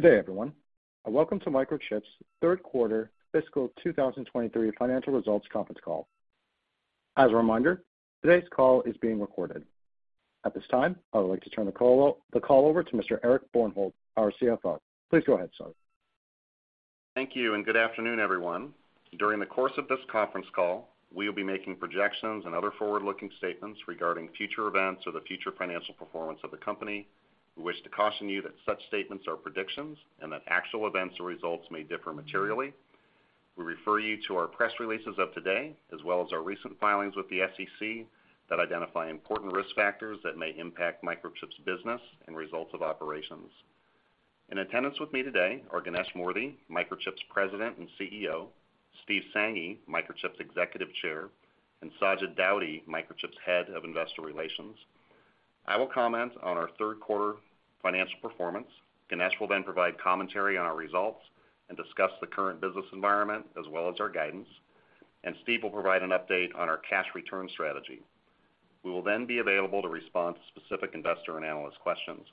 Good day, everyone, welcome to Microchip's third quarter fiscal 2023 financial results conference call. As a reminder, today's call is being recorded. At this time, I would like to turn the call over to Mr. Eric Bjornholt, our CFO. Please go ahead, sir. Thank you, and good afternoon, everyone. During the course of this conference call, we will be making projections and other forward-looking statements regarding future events or the future financial performance of the company. We wish to caution you that such statements are predictions, and that actual events or results may differ materially. We refer you to our press releases of today, as well as our recent filings with the SEC that identify important risk factors that may impact Microchip's business and results of operations. In attendance with me today are Ganesh Moorthy, Microchip's President and CEO, Steve Sanghi, Microchip's Executive Chair, and Sajid Daudi, Microchip's Head of Investor Relations. I will comment on our third quarter financial performance. Ganesh will then provide commentary on our results and discuss the current business environment as well as our guidance, and Steve will provide an update on our cash return strategy. We will then be available to respond to specific investor and analyst questions.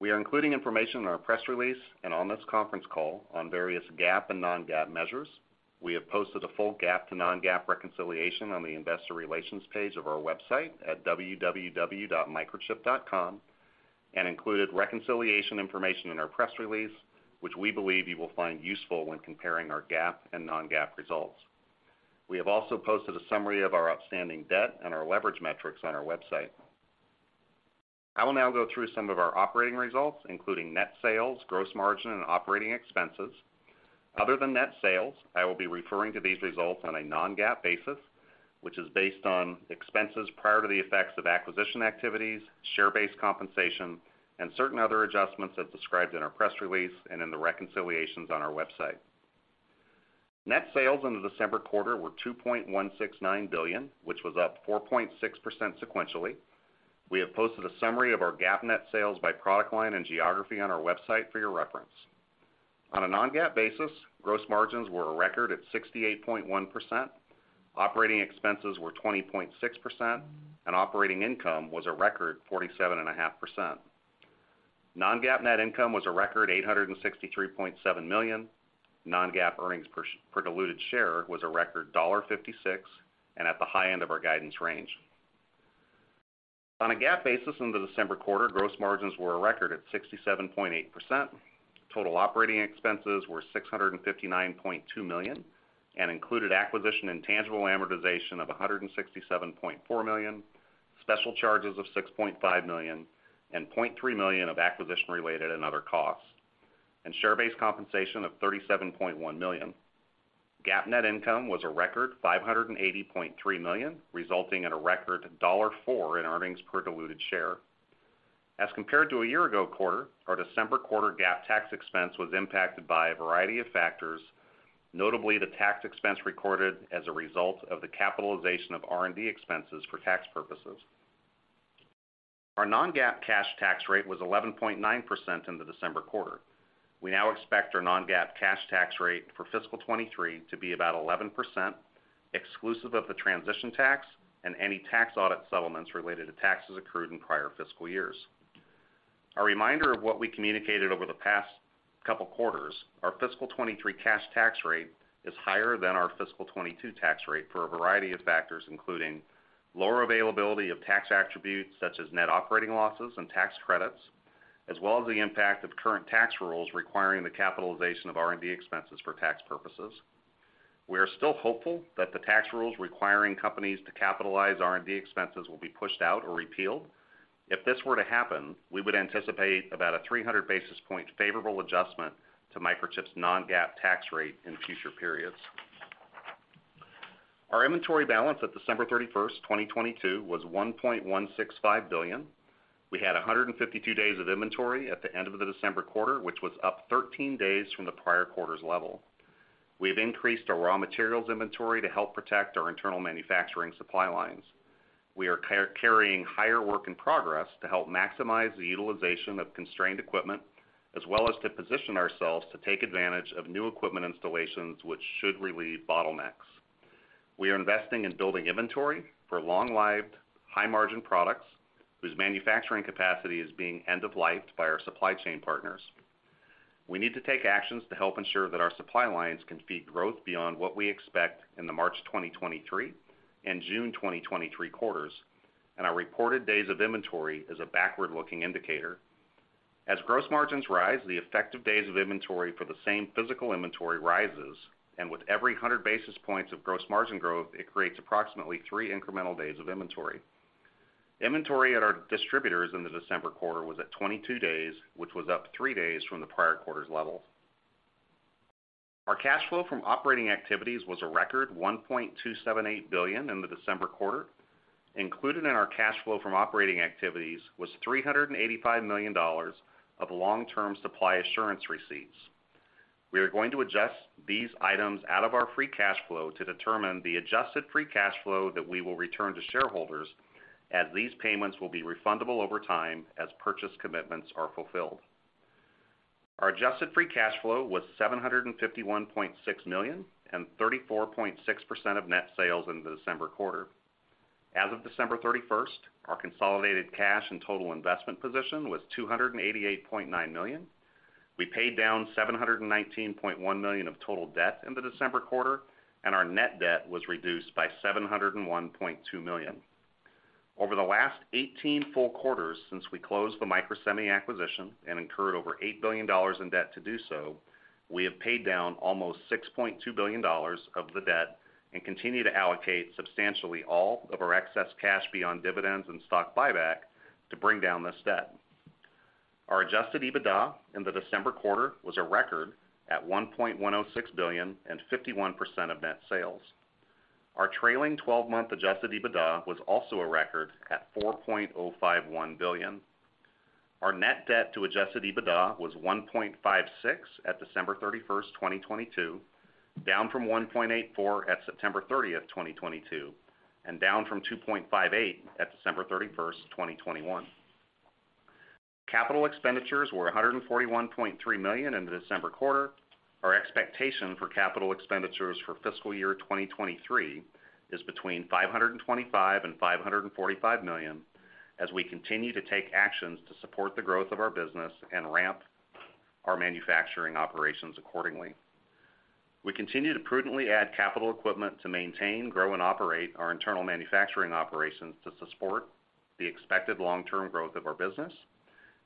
We are including information in our press release and on this conference call on various GAAP and non-GAAP measures. We have posted a full GAAP to non-GAAP reconciliation on the Investor Relations page of our website at www.Microchip.com and included reconciliation information in our press release, which we believe you will find useful when comparing our GAAP and non-GAAP results. We have also posted a summary of our outstanding debt and our leverage metrics on our website. I will now go through some of our operating results, including net sales, gross margin, and operating expenses. Other than net sales, I will be referring to these results on a non-GAAP basis, which is based on expenses prior to the effects of acquisition activities, share-based compensation, and certain other adjustments as described in our press release and in the reconciliations on our website. Net sales in the December quarter were $2.169 billion, which was up 4.6% sequentially. We have posted a summary of our GAAP net sales by product line and geography on our website for your reference. On a non-GAAP basis, gross margins were a record at 68.1%. Operating expenses were 20.6%. Operating income was a record 47.5%. Non-GAAP net income was a record $863.7 million. Non-GAAP earnings per diluted share was a record $1.56 and at the high end of our guidance range. On a GAAP basis in the December quarter, gross margins were a record at 67.8%. Total operating expenses were $659.2 million and included acquisition and tangible amortization of $167.4 million, special charges of $6.5 million, and $0.3 million of acquisition-related and other costs, and share-based compensation of $37.1 million. GAAP net income was a record $580.3 million, resulting in a record $1.04 in earnings per diluted share. As compared to a year ago quarter, our December quarter GAAP tax expense was impacted by a variety of factors, notably the tax expense recorded as a result of the capitalization of R&D expenses for tax purposes. Our non-GAAP cash tax rate was 11.9% in the December quarter. We now expect our non-GAAP cash tax rate for fiscal 2023 to be about 11%, exclusive of the transition tax and any tax audit settlements related to taxes accrued in prior fiscal years. A reminder of what we communicated over the past couple quarters, our fiscal 2023 cash tax rate is higher than our fiscal 2022 tax rate for a variety of factors, including lower availability of tax attributes such as net operating losses and tax credits, as well as the impact of current tax rules requiring the capitalization of R&D expenses for tax purposes. We are still hopeful that the tax rules requiring companies to capitalize R&D expenses will be pushed out or repealed. If this were to happen, we would anticipate about a 300 basis point favorable adjustment to Microchip's non-GAAP tax rate in future periods. Our inventory balance at December 31, 2022 was $1.165 billion. We had 152 days of inventory at the end of the December quarter, which was up 13 days from the prior quarter's level. We have increased our raw materials inventory to help protect our internal manufacturing supply lines. We are carrying higher work in progress to help maximize the utilization of constrained equipment, as well as to position ourselves to take advantage of new equipment installations, which should relieve bottlenecks. We are investing in building inventory for long-lived, high-margin products whose manufacturing capacity is being end of lifed by our supply chain partners. We need to take actions to help ensure that our supply lines can feed growth beyond what we expect in the March 2023 and June 2023 quarters. Our reported days of inventory is a backward-looking indicator. As gross margins rise, the effective days of inventory for the same physical inventory rises. With every 100 basis points of gross margin growth, it creates approximately three incremental days of inventory. Inventory at our distributors in the December quarter was at 22 days, which was up three days from the prior quarter's level. Our cash flow from operating activities was a record $1.278 billion in the December quarter. Included in our cash flow from operating activities was $385 million of long-term supply assurance receipts. We are going to adjust these items out of our free cash flow to determine the adjusted free cash flow that we will return to shareholders as these payments will be refundable over time as purchase commitments are fulfilled. Our adjusted free cash flow was $751.6 million and 34.6% of net sales in the December quarter. As of December 31st, our consolidated cash and total investment position was $288.9 million. We paid down $719.1 million of total debt in the December quarter, and our net debt was reduced by $701.2 million. Over the last 18 full quarters since we closed the Microsemi acquisition and incurred over $8 billion in debt to do so, we have paid down almost $6.2 billion of the debt and continue to allocate substantially all of our excess cash beyond dividends and stock buyback to bring down this debt. Our adjusted EBITDA in the December quarter was a record at $1.106 billion and 51% of net sales. Our trailing twelve-month adjusted EBITDA was also a record at $4.051 billion. Our net debt to adjusted EBITDA was 1.56 at December 31st, 2022, down from 1.84 at September 30th, 2022, and down from 2.58 at December 31st, 2021. Capital expenditures were $141.3 million in the December quarter. Our expectation for CapEx for fiscal year 2023 is between $525 million and $545 million as we continue to take actions to support the growth of our business and ramp our manufacturing operations accordingly. We continue to prudently add capital equipment to maintain, grow, and operate our internal manufacturing operations to support the expected long-term growth of our business.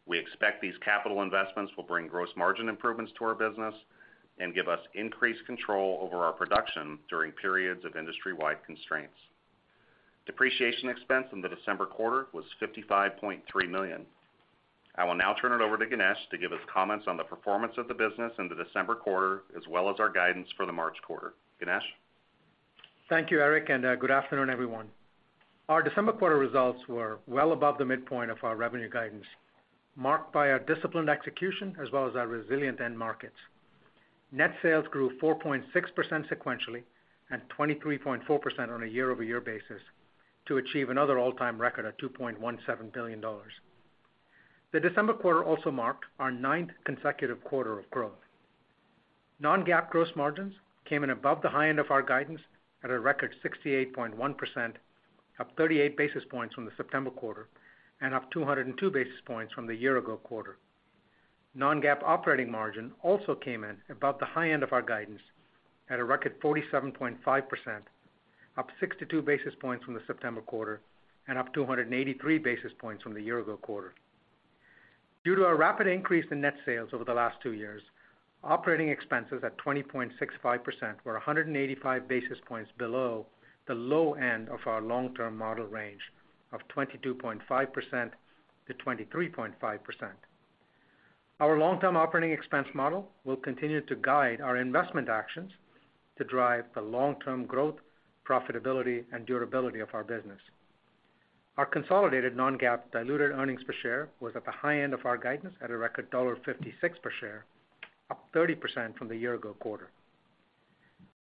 We expect these capital investments will bring gross margin improvements to our business and give us increased control over our production during periods of industry-wide constraints. Depreciation expense in the December quarter was $55.3 million. I will now turn it over to Ganesh to give us comments on the performance of the business in the December quarter, as well as our guidance for the March quarter. Ganesh? Thank you, Eric, and good afternoon, everyone. Our December quarter results were well above the midpoint of our revenue guidance, marked by our disciplined execution as well as our resilient end markets. Net sales grew 4.6% sequentially and 23.4% on a year-over-year basis to achieve another all-time record of $2.17 billion. The December quarter also marked our ninth consecutive quarter of growth. non-GAAP gross margins came in above the high end of our guidance at a record 68.1%, up 38 basis points from the September quarter and up 202 basis points from the year-ago quarter. Non-GAAP operating margin also came in above the high end of our guidance at a record 47.5%, up 62 basis points from the September quarter and up 283 basis points from the year-ago quarter. Due to our rapid increase in net sales over the last two years, operating expenses at 20.65% were 185 basis points below the low end of our long-term model range of 22.5%-23.5%. Our long-term operating expense model will continue to guide our investment actions to drive the long-term growth, profitability, and durability of our business. Our consolidated non-GAAP diluted earnings per share was at the high end of our guidance at a record $1.56 per share, up 30% from the year-ago quarter.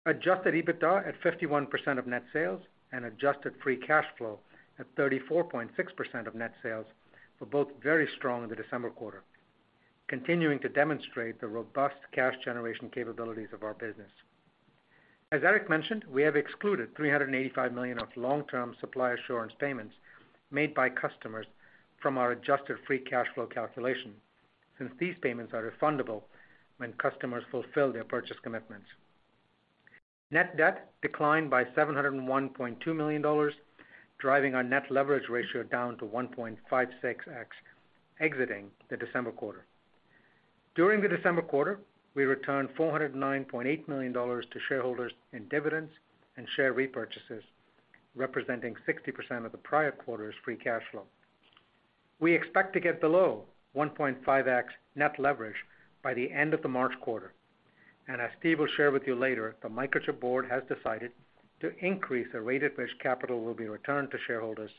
adjusted EBITDA at 51% of net sales and adjusted free cash flow at 34.6% of net sales were both very strong in the December quarter, continuing to demonstrate the robust cash generation capabilities of our business. As Eric mentioned, we have excluded $385 million of long-term supply assurance payments made by customers from our adjusted free cash flow calculation, since these payments are refundable when customers fulfill their purchase commitments. Net debt declined by $701.2 million, driving our net leverage ratio down to 1.56x exiting the December quarter. During the December quarter, we returned $409.8 million to shareholders in dividends and share repurchases, representing 60% of the prior quarter's free cash flow. We expect to get below 1.5x net leverage by the end of the March quarter. As Steve will share with you later, the Microchip board has decided to increase the rate at which capital will be returned to shareholders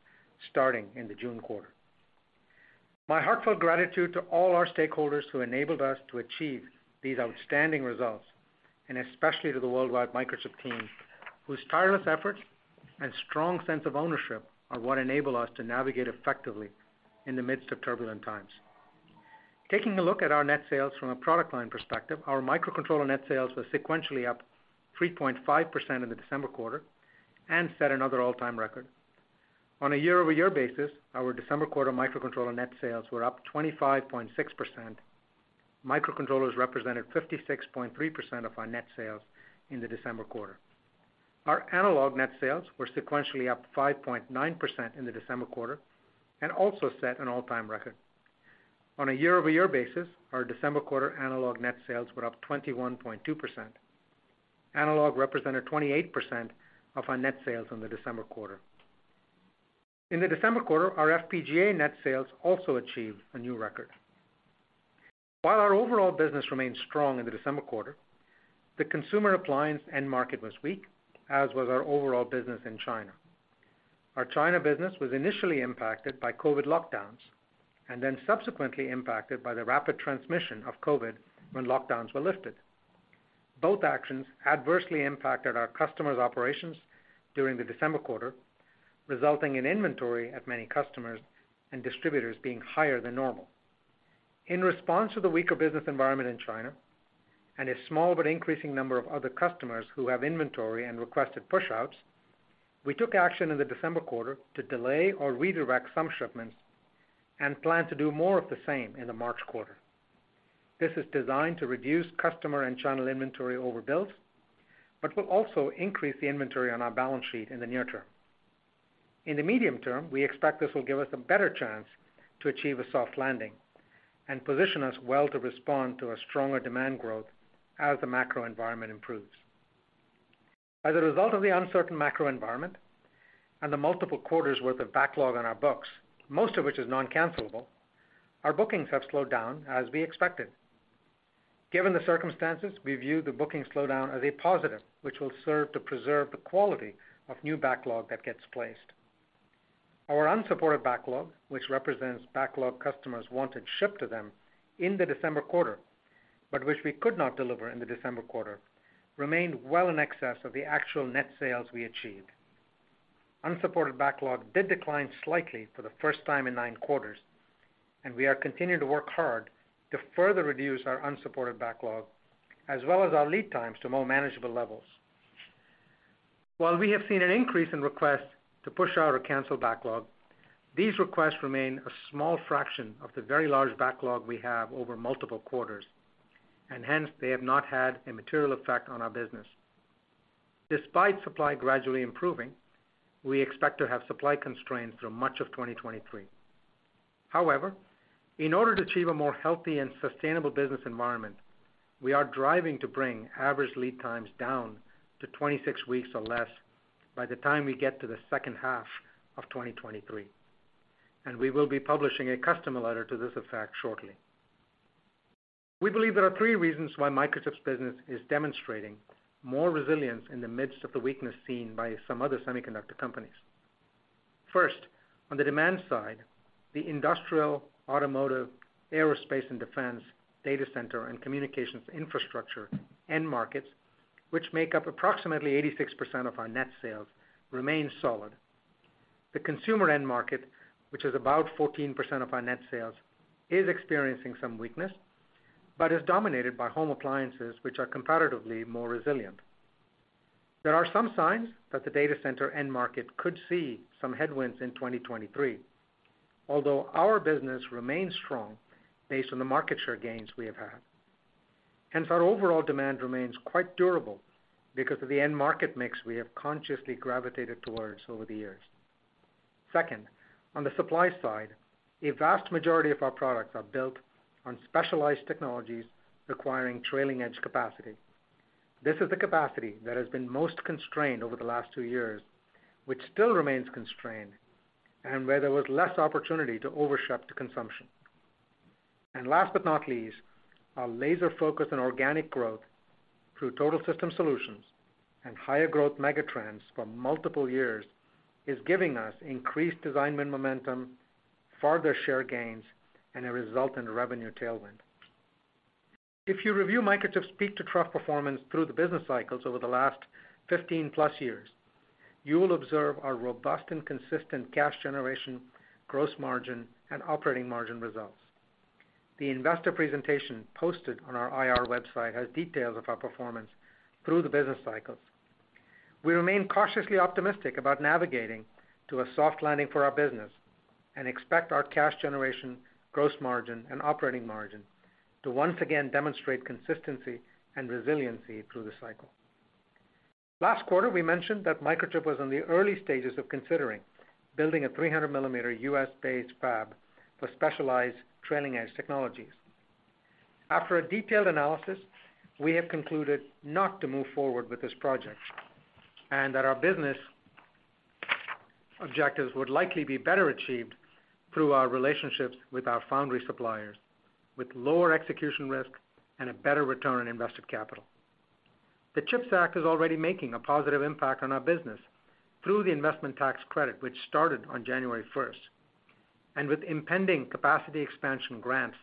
starting in the June quarter. My heartfelt gratitude to all our stakeholders who enabled us to achieve these outstanding results, and especially to the worldwide Microchip team, whose tireless efforts and strong sense of ownership are what enable us to navigate effectively in the midst of turbulent times. Taking a look at our net sales from a product line perspective, our microcontroller net sales were sequentially up 3.5% in the December quarter and set another all-time record. On a year-over-year basis, our December quarter microcontroller net sales were up 25.6%. Microcontrollers represented 56.3% of our net sales in the December quarter. Our analog net sales were sequentially up 5.9% in the December quarter and also set an all-time record. On a year-over-year basis, our December quarter analog net sales were up 21.2%. Analog represented 28% of our net sales in the December quarter. In the December quarter, our FPGA net sales also achieved a new record. While our overall business remained strong in the December quarter, the consumer appliance end market was weak, as was our overall business in China. Our China business was initially impacted by COVID lockdowns and then subsequently impacted by the rapid transmission of COVID when lockdowns were lifted. Both actions adversely impacted our customers' operations during the December quarter, resulting in inventory at many customers and distributors being higher than normal. In response to the weaker business environment in China and a small but increasing number of other customers who have inventory and requested pushouts, we took action in the December quarter to delay or redirect some shipments and plan to do more of the same in the March quarter. This is designed to reduce customer and channel inventory overbuild, but will also increase the inventory on our balance sheet in the near term. In the medium term, we expect this will give us a better chance to achieve a soft landing and position us well to respond to a stronger demand growth as the macro environment improves. As a result of the uncertain macro environment and the multiple quarters' worth of backlog on our books, most of which is non-cancelable, our bookings have slowed down as we expected. Given the circumstances, we view the booking slowdown as a positive, which will serve to preserve the quality of new backlog that gets placed. Our unsupported backlog, which represents backlog customers wanted shipped to them in the December quarter, but which we could not deliver in the December quarter, remained well in excess of the actual net sales we achieved. Unsupported backlog did decline slightly for the first time in nine quarters, and we are continuing to work hard to further reduce our unsupported backlog, as well as our lead times to more manageable levels. While we have seen an increase in requests to push out or cancel backlog, these requests remain a small fraction of the very large backlog we have over multiple quarters, and hence they have not had a material effect on our business. Despite supply gradually improving, we expect to have supply constraints through much of 2023. However, in order to achieve a more healthy and sustainable business environment, we are driving to bring average lead times down to 26 weeks or less by the time we get to the second half of 2023, and we will be publishing a customer letter to this effect shortly. We believe there are three reasons why Microchip's business is demonstrating more resilience in the midst of the weakness seen by some other semiconductor companies. On the demand side, the industrial, automotive, aerospace and defense, data center, and communications infrastructure end markets, which make up approximately 86% of our net sales, remain solid. The consumer end market, which is about 14% of our net sales, is experiencing some weakness, but is dominated by home appliances, which are comparatively more resilient. There are some signs that the data center end market could see some headwinds in 2023, although our business remains strong based on the market share gains we have had. Our overall demand remains quite durable because of the end market mix we have consciously gravitated towards over the years. On the supply side, a vast majority of our products are built on specialized technologies requiring trailing edge capacity. This is the capacity that has been most constrained over the last 2 years, which still remains constrained, and where there was less opportunity to overship to consumption. Last but not least, our laser focus on organic growth through Total System Solutions and higher growth megatrends for multiple years is giving us increased design win momentum, further share gains, and a result in revenue tailwind. If you review Microchip's peak-to-trough performance through the business cycles over the last 15+ years, you will observe our robust and consistent cash generation, gross margin, and operating margin results. The investor presentation posted on our IR website has details of our performance through the business cycles. We remain cautiously optimistic about navigating to a soft landing for our business and expect our cash generation, gross margin, and operating margin to once again demonstrate consistency and resiliency through the cycle. Last quarter, we mentioned that Microchip was in the early stages of considering building a 300mm U.S.-based fab for specialized trailing edge technologies. After a detailed analysis, we have concluded not to move forward with this project and that our business objectives would likely be better achieved through our relationships with our foundry suppliers, with lower execution risk and a better return on invested capital. The CHIPS Act is already making a positive impact on our business through the investment tax credit, which started on January 1st, and with impending capacity expansion grants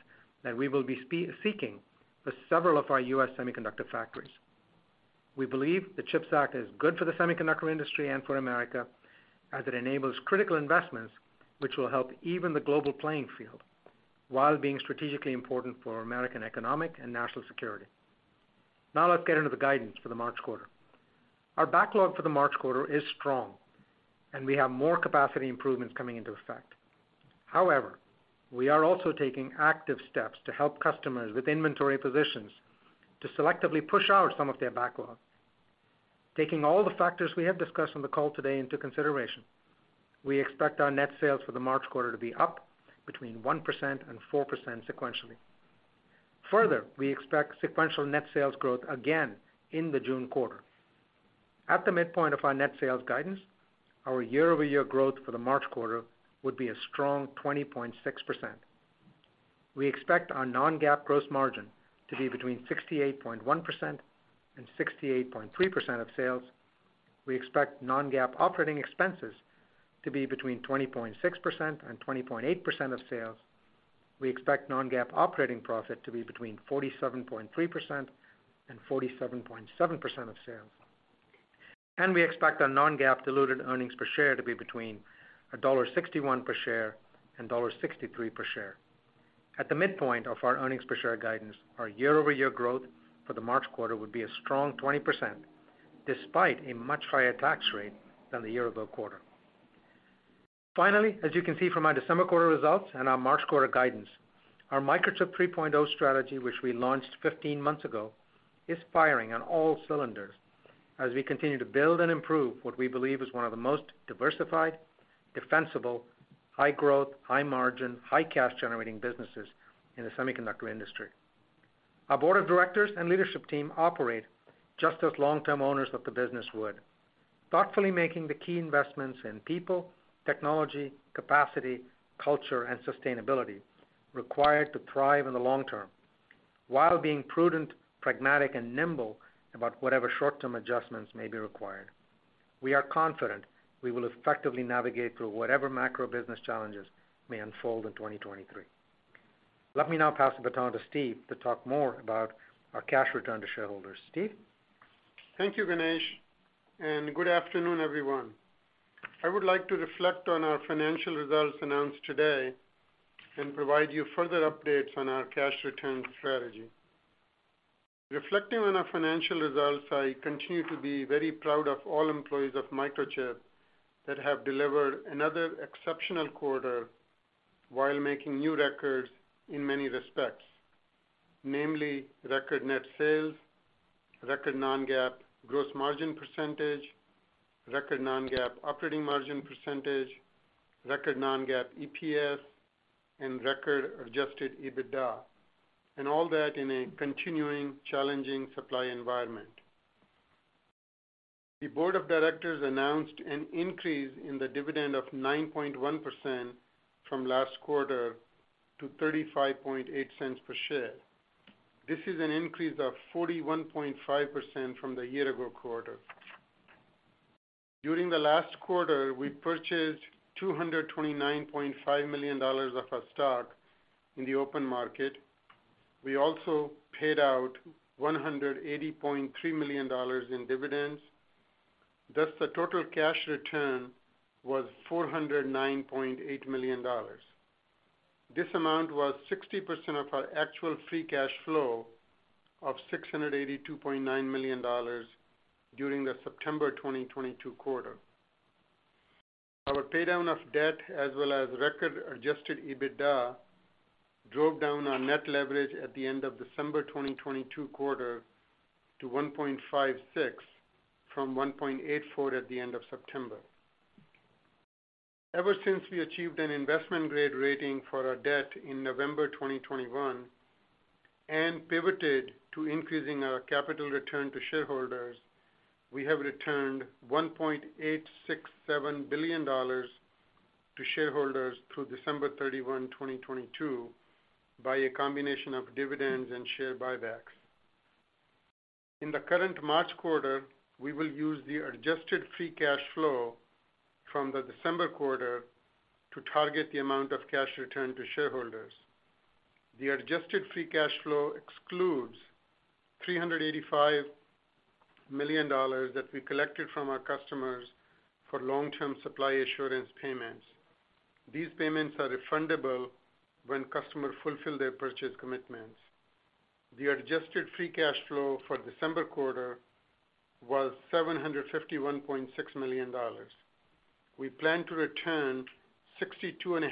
that we will be seeking for several of our U.S. semiconductor factories. We believe the CHIPS Act is good for the semiconductor industry and for America, as it enables critical investments, which will help even the global playing field while being strategically important for American economic and national security. Let's get into the guidance for the March quarter. Our backlog for the March quarter is strong, and we have more capacity improvements coming into effect. We are also taking active steps to help customers with inventory positions to selectively push out some of their backlog. Taking all the factors we have discussed on the call today into consideration, we expect our net sales for the March quarter to be up between 1% and 4% sequentially. We expect sequential net sales growth again in the June quarter. At the midpoint of our net sales guidance, our year-over-year growth for the March quarter would be a strong 20.6%. We expect our non-GAAP gross margin to be between 68.1% and 68.3% of sales. We expect non-GAAP operating expenses to be between 20.6% and 20.8% of sales. We expect non-GAAP operating profit to be between 47.3% and 47.7% of sales. We expect our non-GAAP diluted earnings per share to be between $1.61 per share and $1.63 per share. At the midpoint of our earnings per share guidance, our year-over-year growth for the March quarter would be a strong 20% despite a much higher tax rate than the year ago quarter. Finally, as you can see from our December quarter results and our March quarter guidance, our Microchip 3.0 strategy, which we launched 15 months ago, is firing on all cylinders as we continue to build and improve what we believe is one of the most diversified, defensible, high growth, high margin, high cash generating businesses in the semiconductor industry. Our board of directors and leadership team operate just as long-term owners of the business would, thoughtfully making the key investments in people, technology, capacity, culture and sustainability required to thrive in the long term, while being prudent, pragmatic and nimble about whatever short-term adjustments may be required. We are confident we will effectively navigate through whatever macro business challenges may unfold in 2023. Let me now pass the baton to Steve to talk more about our cash return to shareholders. Steve? Thank you, Ganesh. Good afternoon, everyone. I would like to reflect on our financial results announced today and provide you further updates on our cash return strategy. Reflecting on our financial results, I continue to be very proud of all employees of Microchip that have delivered another exceptional quarter while making new records in many respects, namely record net sales, record non-GAAP gross margin %, record non-GAAP operating margin %, record non-GAAP EPS, and record adjusted EBITDA, and all that in a continuing challenging supply environment. The board of directors announced an increase in the dividend of 9.1% from last quarter to $0.358 per share. This is an increase of 41.5% from the year-ago quarter. During the last quarter, we purchased $229.5 million of our stock in the open market. We also paid out $180.3 million in dividends. Thus, the total cash return was $409.8 million. This amount was 60% of our actual free cash flow of $682.9 million during the September 2022 quarter. Our pay down of debt as well as record adjusted EBITDA drove down our net leverage at the end of December 2022 quarter to 1.56 from 1.84 at the end of September. Ever since we achieved an investment grade rating for our debt in November 2021 and pivoted to increasing our capital return to shareholders, we have returned $1.867 billion to shareholders through December 31, 2022 by a combination of dividends and share buybacks. In the current March quarter, we will use the adjusted free cash flow from the December quarter to target the amount of cash returned to shareholders. The adjusted free cash flow excludes $385 million that we collected from our customers for long-term supply assurance payments. These payments are refundable when customers fulfill their purchase commitments. The adjusted free cash flow for December quarter was $751.6 million. We plan to return 62.5%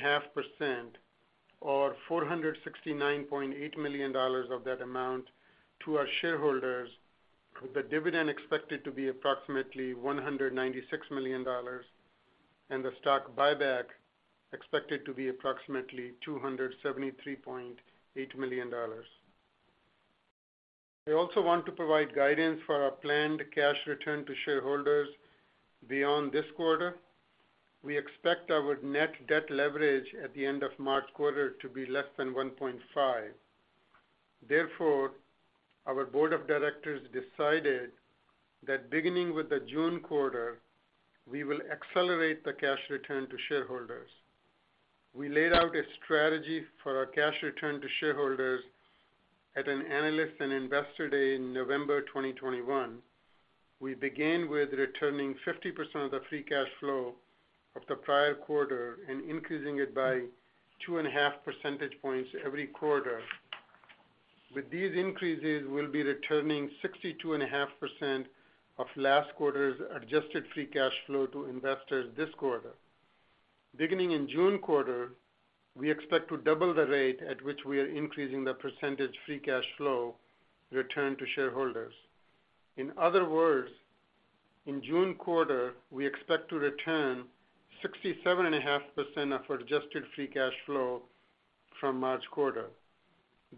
or $469.8 million of that amount to our shareholders, with the dividend expected to be approximately $196 million and the stock buyback expected to be approximately $273.8 million. We also want to provide guidance for our planned cash return to shareholders beyond this quarter. We expect our net debt leverage at the end of March quarter to be less than 1.5. Our board of directors decided that beginning with the June quarter, we will accelerate the cash return to shareholders. We laid out a strategy for our cash return to shareholders at an Analyst Day and investor day in November 2021. We began with returning 50% of the free cash flow of the prior quarter and increasing it by 2.5 percentage points every quarter. With these increases, we'll be returning 62.5% of last quarter's adjusted free cash flow to investors this quarter. Beginning in June quarter, we expect to double the rate at which we are increasing the percentage free cash flow return to shareholders. In other words, in June quarter, we expect to return 67.5% of our adjusted free cash flow from March quarter.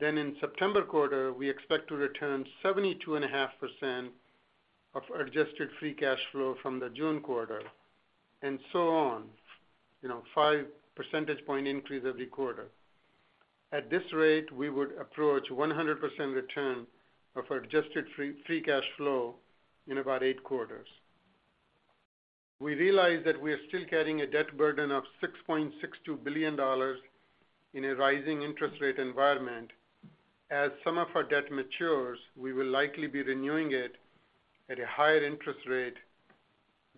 In September quarter, we expect to return 72.5% of our adjusted free cash flow from the June quarter, and so on you know five percentage point increase every quarter. At this rate, we would approach 100% return of our adjusted free cash flow in about 8 quarters. We realize that we are still carrying a debt burden of $6.62 billion in a rising interest rate environment. Some of our debt matures, we will likely be renewing it at a higher interest rate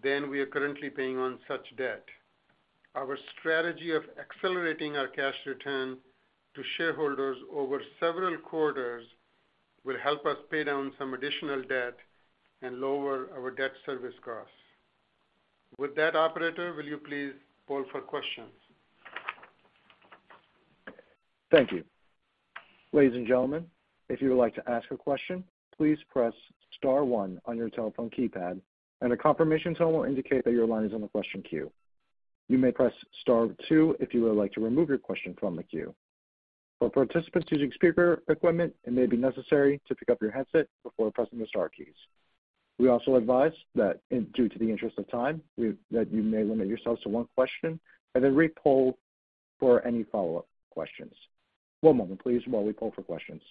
than we are currently paying on such debt. Our strategy of accelerating our cash return to shareholders over several quarters will help us pay down some additional debt and lower our debt service costs. With that, operator, will you please poll for questions? Thank you. Ladies and gentlemen, if you would like to ask a question, please press star one on your telephone keypad and a confirmation tone will indicate that your line is in the question queue. You may press star two if you would like to remove your question from the queue. For participants using speaker equipment, it may be necessary to pick up your headset before pressing the star keys. We also advise that, due to the interest of time, you may limit yourselves to one question and then re-poll for any follow-up questions. One moment please while we poll for questions.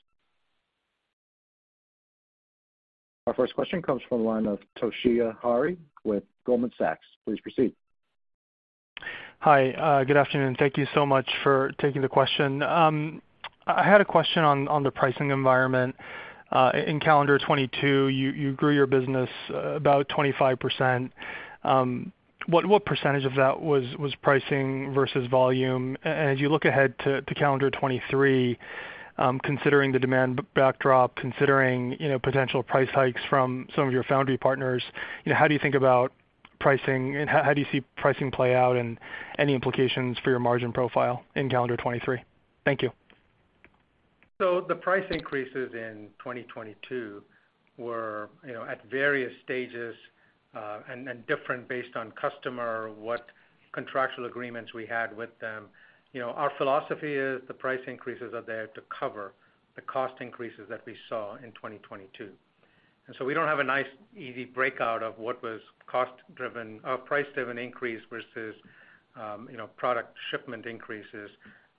Our first question comes from the line of Toshiya Hari with Goldman Sachs. Please proceed. Hi, good afternoon. Thank you so much for taking the question. I had a question on the pricing environment. In calendar 2022, you grew your business about 25%. What percentage of that was pricing versus volume? As you look ahead to calendar 2023, considering the demand backdrop, considering you know potential price hikes from some of your foundry partners you know how do you think about pricing and how do you see pricing play out and any implications for your margin profile in calendar 2023? Thank you. The price increases in 2022 were you know at various stages, and different based on customer, what contractual agreements we had with them. You know, our philosophy is the price increases are there to cover the cost increases that we saw in 2022. We don't have a nice, easy breakout of what was cost driven or price driven increase versus you know product shipment increases.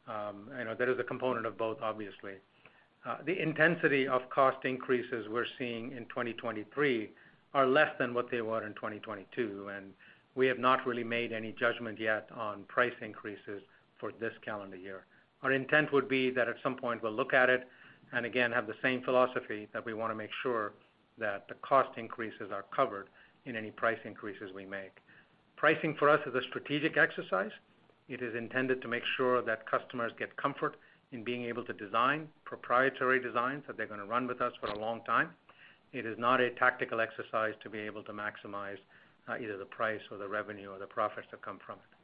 You know, there is a component of both, obviously. The intensity of cost increases we're seeing in 2023 are less than what they were in 2022, we have not really made any judgment yet on price increases for this calendar year. Our intent would be that at some point we'll look at it, and again have the same philosophy that we wanna make sure that the cost increases are covered in any price increases we make. Pricing for us is a strategic exercise. It is intended to make sure that customers get comfort in being able to design proprietary designs that they're gonna run with us for a long time. It is not a tactical exercise to be able to maximize either the price or the revenue or the profits that come from it.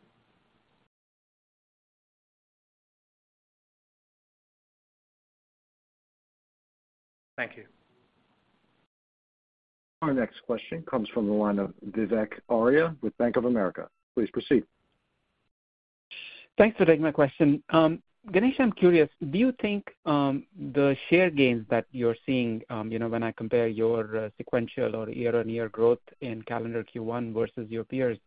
Thank you. Our next question comes from the line of Vivek Arya with Bank of America. Please proceed. Thanks for taking my question. Ganesh, I'm curious, do you think, the share gains that you're seeing you know when I compare your sequential or year-over-year growth in calendar Q1 versus your peers,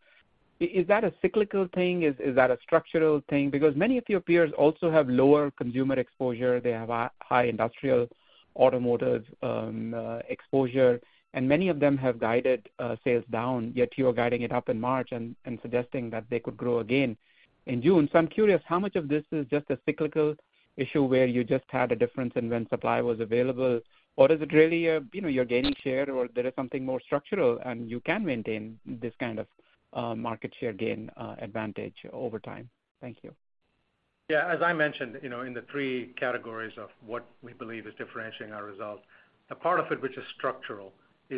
is that a cyclical thing? Is that a structural thing? Because many of your peers also have lower consumer exposure. They have a high industrial automotive exposure, and many of them have guided sales down, yet you are guiding it up in March and suggesting that they could grow again in June. I'm curious how much of this is just a cyclical issue where you just had a difference in when supply was available, or is it really a you know you're gaining share or there is something more structural and you can maintain this kind of market share gain advantage over time? Thank you. Yeah, as I mentioned you know in the three categories of what we believe is differentiating our results, a part of it which is structural is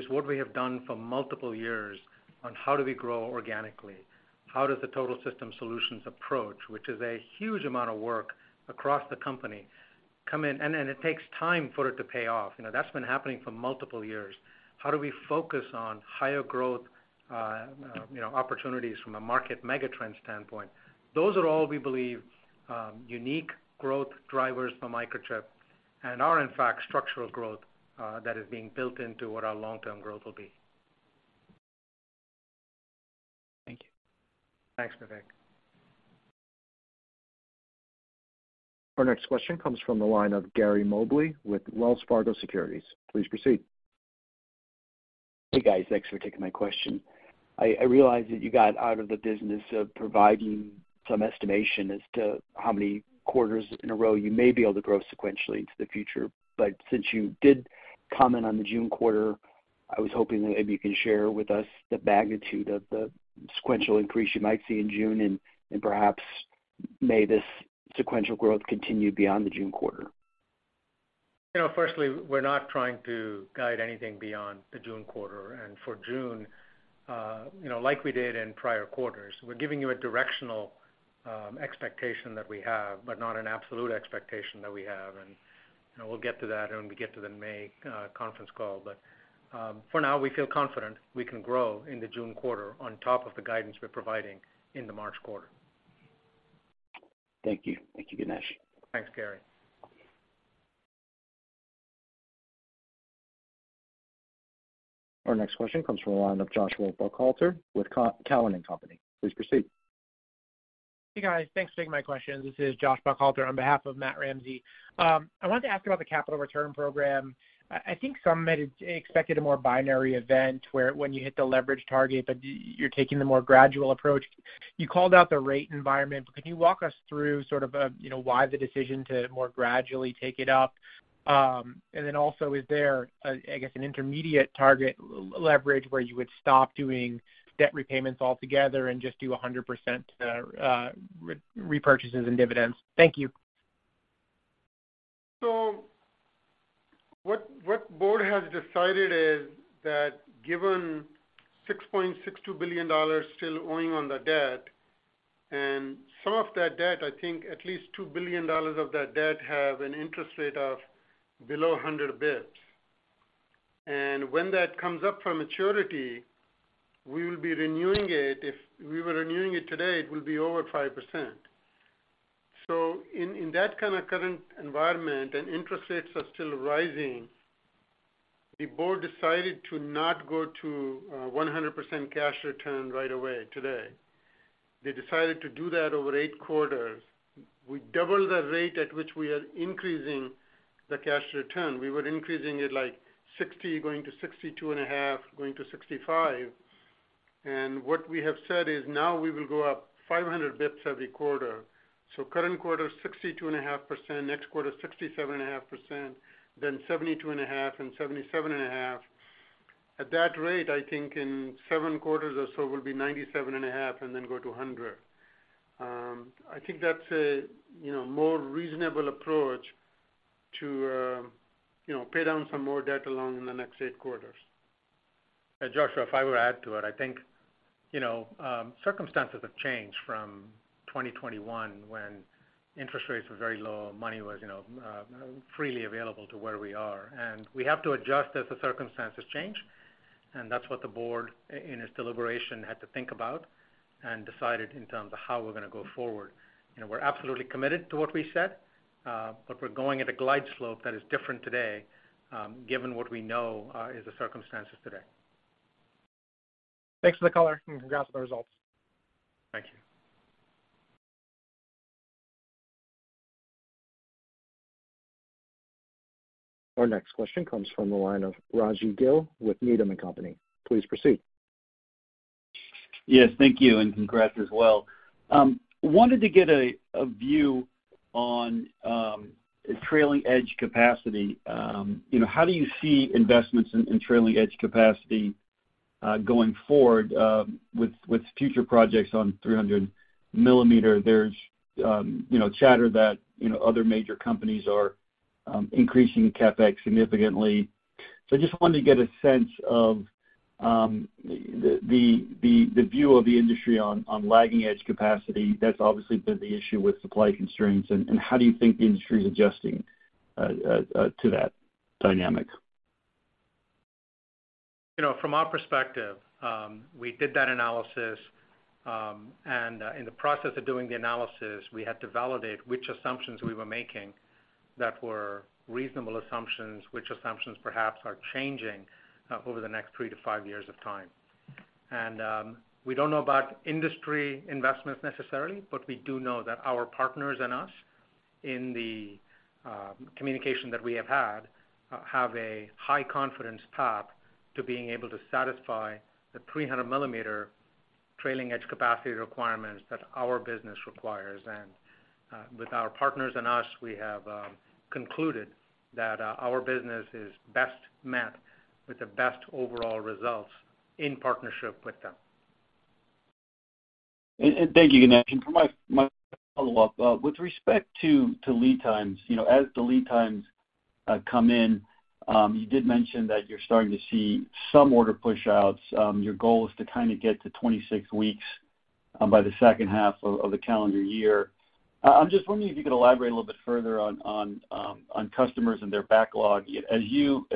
what we have done for multiple years on how do we grow organically, how does the Total System Solutions approach, which is a huge amount of work across the company, come in, and then it takes time for it to pay off. You know, that's been happening for multiple years. How do we focus on higher growth you know opportunities from a market mega trend standpoint? Those are all, we believe, unique growth drivers for Microchip and are in fact structural growth, that is being built into what our long-term growth will be. Thank you. Thanks, Vivek. Our next question comes from the line of Gary Mobley with Wells Fargo Securities. Please proceed. Hey, guys. Thanks for taking my question. I realize that you got out of the business of providing some estimation as to how many quarters in a row you may be able to grow sequentially into the future. Since you did comment on the June quarter, I was hoping that maybe you can share with us the magnitude of the sequential increase you might see in June and perhaps may this sequential growth continue beyond the June quarter. You know, firstly, we're not trying to guide anything beyond the June quarter. For June you know like we did in prior quarters, we're giving you a directional expectation that we have, but not an absolute expectation that we have. You know, we'll get to that when we get to the May conference call. For now, we feel confident we can grow in the June quarter on top of the guidance we're providing in the March quarter. Thank you. Thank you, Ganesh. Thanks, Gary. Our next question comes from the line of Joshua Buchalter with Cowen and Company. Please proceed. Hey guys, thanks for taking my questions. This is Joshua Buchalter on behalf of Matt Ramsay. I wanted to ask about the capital return program. I think some may have expected a more binary event where when you hit the leverage target, but you're taking the more gradual approach. You called out the rate environment. Can you walk us through sort of you know why the decision to more gradually take it up? And then also is there, I guess, an intermediate target leverage where you would stop doing debt repayments altogether and just do 100% repurchases and dividends? Thank you. What board has decided is that given $6.62 billion still owing on the debt, and some of that debt, I think at least $2 billion of that debt, have an interest rate of below 100 basis points. When that comes up for maturity, we will be renewing it. If we were renewing it today, it will be over 5%. In that kind of current environment and interest rates are still rising, the board decided to not go to 100% cash return right away today. They decided to do that over eight quarters. We double the rate at which we are increasing the cash return. We were increasing it like 60%, going to 62.5%, going to 65%. What we have said is now we will go up 500 basis points every quarter. Current quarter, 62.5%, next quarter, 67.5%, then 72.5% and 77.5%. At that rate, I think in 7 quarters or so, we'll be 97.5% and then go to 100%. I think that's a you know more reasonable approach to you know pay down some more debt along in the next eight quarters. Joshua, if I were to add to it, I think you know circumstances have changed from 2021 when interest rates were very low, money was you know freely available to where we are. We have to adjust as the circumstances change. That's what the board, in its deliberation, had to think about and decided in terms of how we're going to go forward. You know, we're absolutely committed to what we said, but we're going at a glide slope that is different today, given what we know, is the circumstances today. Thanks for the color and congrats on the results. Thank you. Our next question comes from the line of Raji Gill with Needham & Company. Please proceed. Yes, thank you, and congrats as well. wanted to get a view on trailing edge capacity. you know how do you see investments in trailing edge capacity going forward with future projects on 300mm, there's you know chatter that you know other major companies are increasing CapEx significantly. I just wanted to get a sense of the view of the industry on lagging edge capacity. That's obviously been the issue with supply constraints and how do you think the industry is adjusting to that dynamic? You know, from our perspective, we did that analysis, and in the process of doing the analysis, we had to validate which assumptions we were making that were reasonable assumptions, which assumptions perhaps are changing over the next three to five years. We don't know about industry investments necessarily, but we do know that our partners and us, in the communication that we have had, have a high confidence path to being able to satisfy the 300mm trailing edge capacity requirements that our business requires. With our partners and us, we have concluded that our business is best met with the best overall results in partnership with them. Thank you, Ganesh. For my follow-up, with respect to lead times you know as the lead times come in, you did mention that you're starting to see some order pushouts. Your goal is to kind of get to 26 weeks by the second half of the calendar year. I'm just wondering if you could elaborate a little bit further on customers and their backlog. As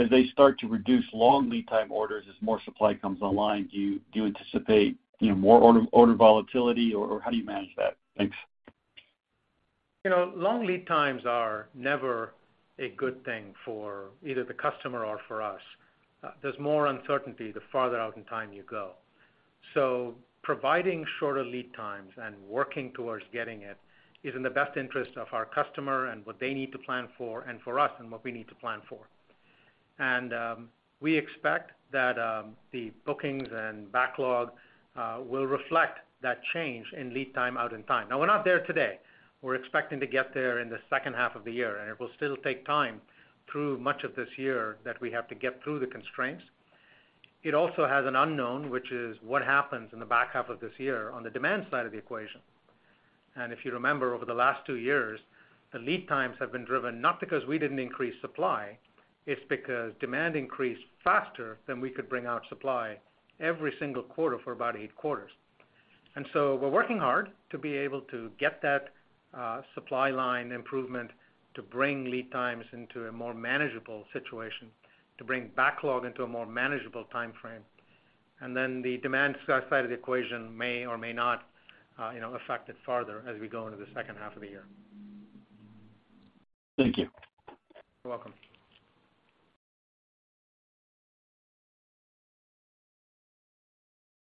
they start to reduce long lead time orders as more supply comes online, do you anticipate you know more order volatility or how do you manage that? Thanks. You know, long lead times are never a good thing for either the customer or for us. There's more uncertainty the farther out in time you go. Providing shorter lead times and working towards getting it is in the best interest of our customer and what they need to plan for and for us and what we need to plan for. We expect that the bookings and backlog will reflect that change in lead time out in time. Now, we're not there today. We're expecting to get there in the second half of the year, and it will still take time through much of this year that we have to get through the constraints. It also has an unknown, which is what happens in the back half of this year on the demand side of the equation. If you remember, over the last two years, the lead times have been driven not because we didn't increase supply, it's because demand increased faster than we could bring out supply every single quarter for about eight quarters. We're working hard to be able to get that supply line improvement to bring lead times into a more manageable situation, to bring backlog into a more manageable time frame. The demand side of the equation may or may not you know affect it farther as we go into the second half of the year. Thank you. You're welcome.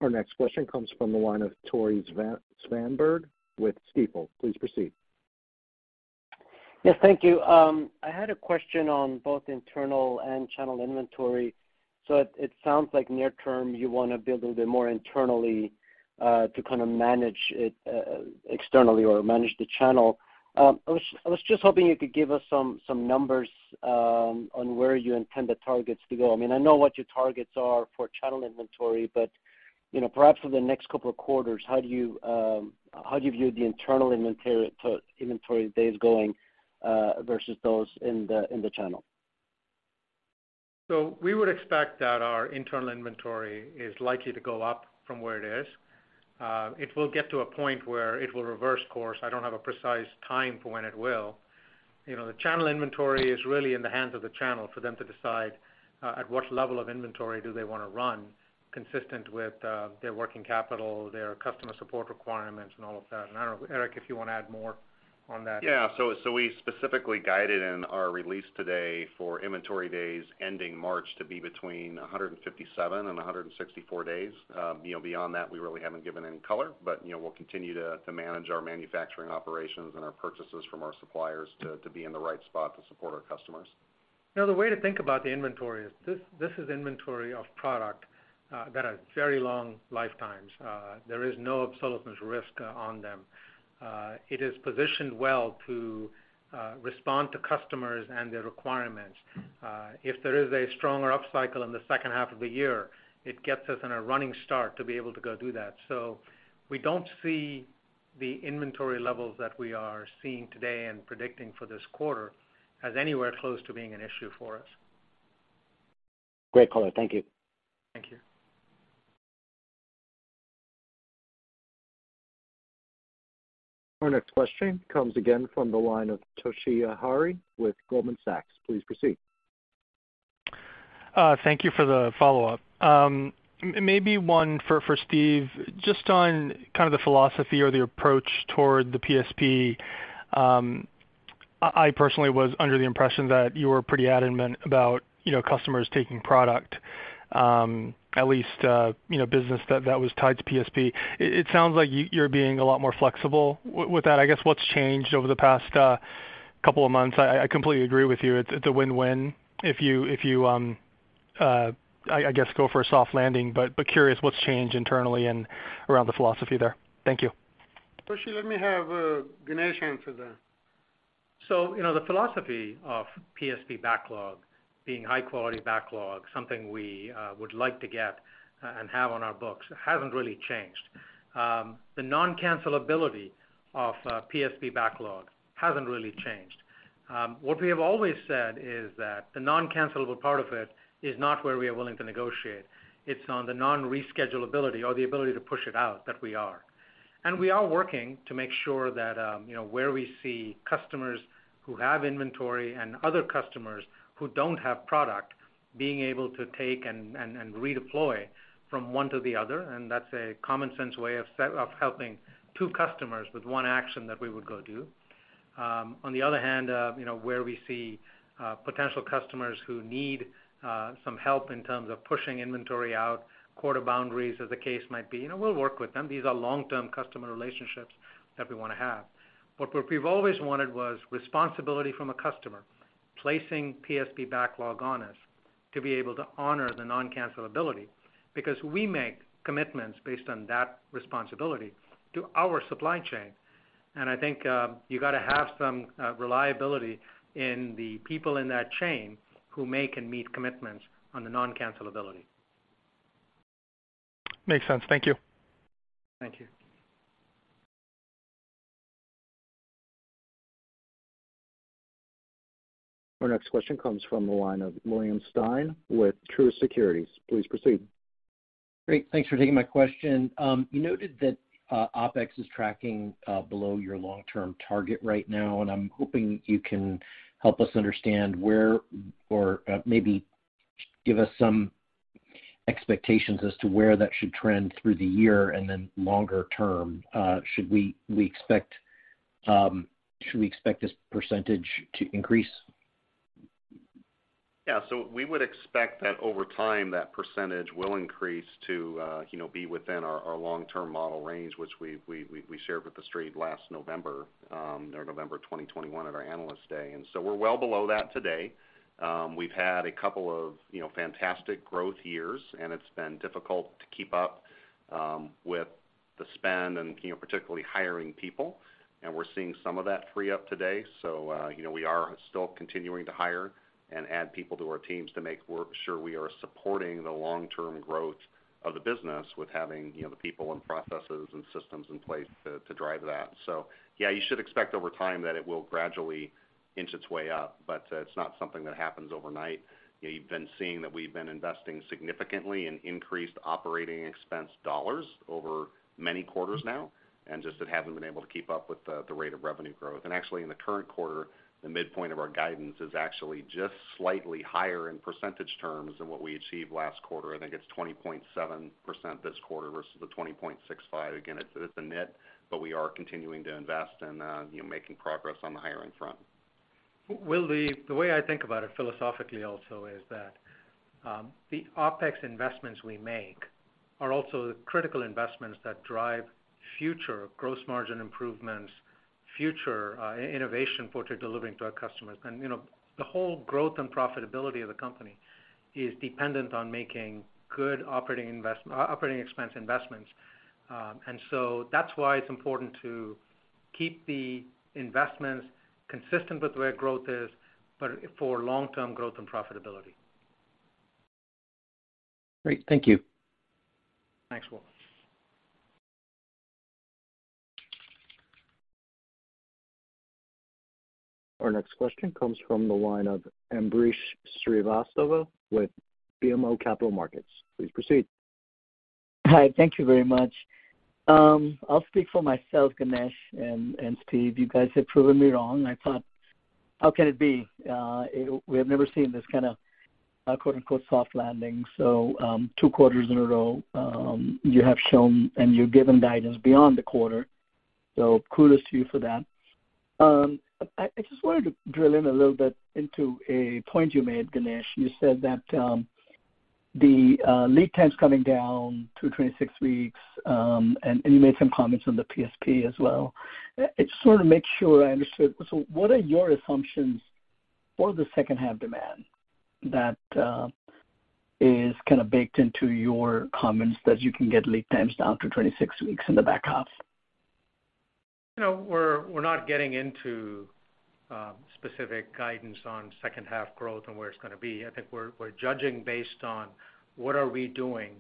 Our next question comes from the line of Tore Svanberg with Stifel. Please proceed. Yes, thank you. I had a question on both internal and channel inventory. It sounds like near term you wanna build a bit more internally, to kind of manage it, externally or manage the channel. I was just hoping you could give us some numbers, on where you intend the targets to go. I mean, I know what your targets are for channel inventory, but you know perhaps for the next couple of quarters, how do you view the internal inventory days going, versus those in the channel? We would expect that our internal inventory is likely to go up from where it is. It will get to a point where it will reverse course. I don't have a precise time for when it will. You know, the channel inventory is really in the hands of the channel for them to decide at what level of inventory do they wanna run consistent with their working capital, their customer support requirements, and all of that. I don't know, Eric, if you wanna add more on that. Yeah. We specifically guided in our release today for inventory days ending March to be between 157 and 164 days. You know, beyond that, we really haven't given any color. You know, we'll continue to manage our manufacturing operations and our purchases from our suppliers to be in the right spot to support our customers. The way to think about the inventory is this is inventory of product that are very long lifetimes. There is no obsolescence risk on them. It is positioned well to respond to customers and their requirements. If there is a stronger upcycle in the second half of the year, it gets us in a running start to be able to go do that. We don't see the inventory levels that we are seeing today and predicting for this quarter as anywhere close to being an issue for us. Great color. Thank you. Thank you. Our next question comes again from the line of Toshiya Hari with Goldman Sachs. Please proceed. Thank you for the follow-up. Maybe one for Steve, just on kind of the philosophy or the approach toward the PSP. I personally was under the impression that you were pretty adamant about you know customers taking product, at least you know business that was tied to PSP. It sounds like you are being a lot more flexible with that. I guess, what's changed over the past couple of months? I completely agree with you. It's a win-win if you, if you, I guess, go for a soft landing. Curious what's changed internally and around the philosophy there. Thank you. Toshi, let me have Ganesh answer that. You know, the philosophy of PSP backlog being high-quality backlog, something we would like to get and have on our books, hasn't really changed. The non-cancelability of PSP backlog hasn't really changed. What we have always said is that the non-cancelable part of it is not where we are willing to negotiate. It's on the non-reschedulability or the ability to push it out that we are. We are working to make sure that you know where we see customers who have inventory and other customers who don't have product being able to take and redeploy from one to the other, and that's a common sense way of helping two customers with one action that we would go do. On the other hand, where we see potential customers who need some help in terms of pushing inventory out, quarter boundaries as the case might be, we'll work with them. These are long-term customer relationships that we wanna have. What we've always wanted was responsibility from a customer placing PSP backlog on us to be able to honor the non-cancelability because we make commitments based on that responsibility to our supply chain. I think you gotta have some reliability in the people in that chain who make and meet commitments on the non-cancelability. Makes sense. Thank you. Thank you. Our next question comes from the line of William Stein with Truist Securities. Please proceed. Great. Thanks for taking my question. You noted that OpEx is tracking below your long-term target right now, and I'm hoping you can help us understand where or, maybe give us some expectations as to where that should trend through the year and then longer term. Should we expect this percentage to increase? We would expect that over time, that percentage will increase to you know be within our long-term model range, which we've shared with the Street last November, or November 2021 at our Analyst Day. We're well below that today. We've had a couple of you know fantastic growth years, and it's been difficult to keep up, with the spend and you know particularly hiring people, and we're seeing some of that free up today. We are still continuing to hire and add people to our teams to make work sure we are supporting the long-term growth of the business with having you know the people and processes and systems in place to drive that. Yeah, you should expect over time that it will gradually inch its way up, but it's not something that happens overnight. You've been seeing that we've been investing significantly in increased operating expense dollars over many quarters now, and just that haven't been able to keep up with the rate of revenue growth. Actually, in the current quarter, the midpoint of our guidance is actually just slightly higher in percentage terms than what we achieved last quarter. I think it's 20.7% this quarter versus the 20.65%. Again, it's a nit, but we are continuing to invest and you know making progress on the hiring front. Will, the way I think about it philosophically also is that, the OpEx investments we make are also the critical investments that drive future gross margin improvements, future innovation portrait delivering to our customers. You know, the whole growth and profitability of the company is dependent on making good operating expense investments. That's why it's important to keep the investments consistent with where growth is, but for long-term growth and profitability. Great. Thank you. Thanks, Will. Our next question comes from the line of Ambrish Srivastava with BMO Capital Markets. Please proceed. Hi, thank you very much. I'll speak for myself, Ganesh and Steve, you guys have proven me wrong. I thought, how can it be? We have never seen this kind of quote, unquote, soft landing. 2 quarters in a row, you have shown and you've given guidance beyond the quarter, so kudos to you for that. I just wanted to drill in a little bit into a point you made, Ganesh. You said that the lead times coming down to 26 weeks, and you made some comments on the PSP as well. It sort of makes sure I understood. What are your assumptions for the second half demand that is kind of baked into your comments that you can get lead times down to 26 weeks in the back half? You know, we're not getting into specific guidance on second half growth and where it's gonna be. I think we're judging based on what are we doing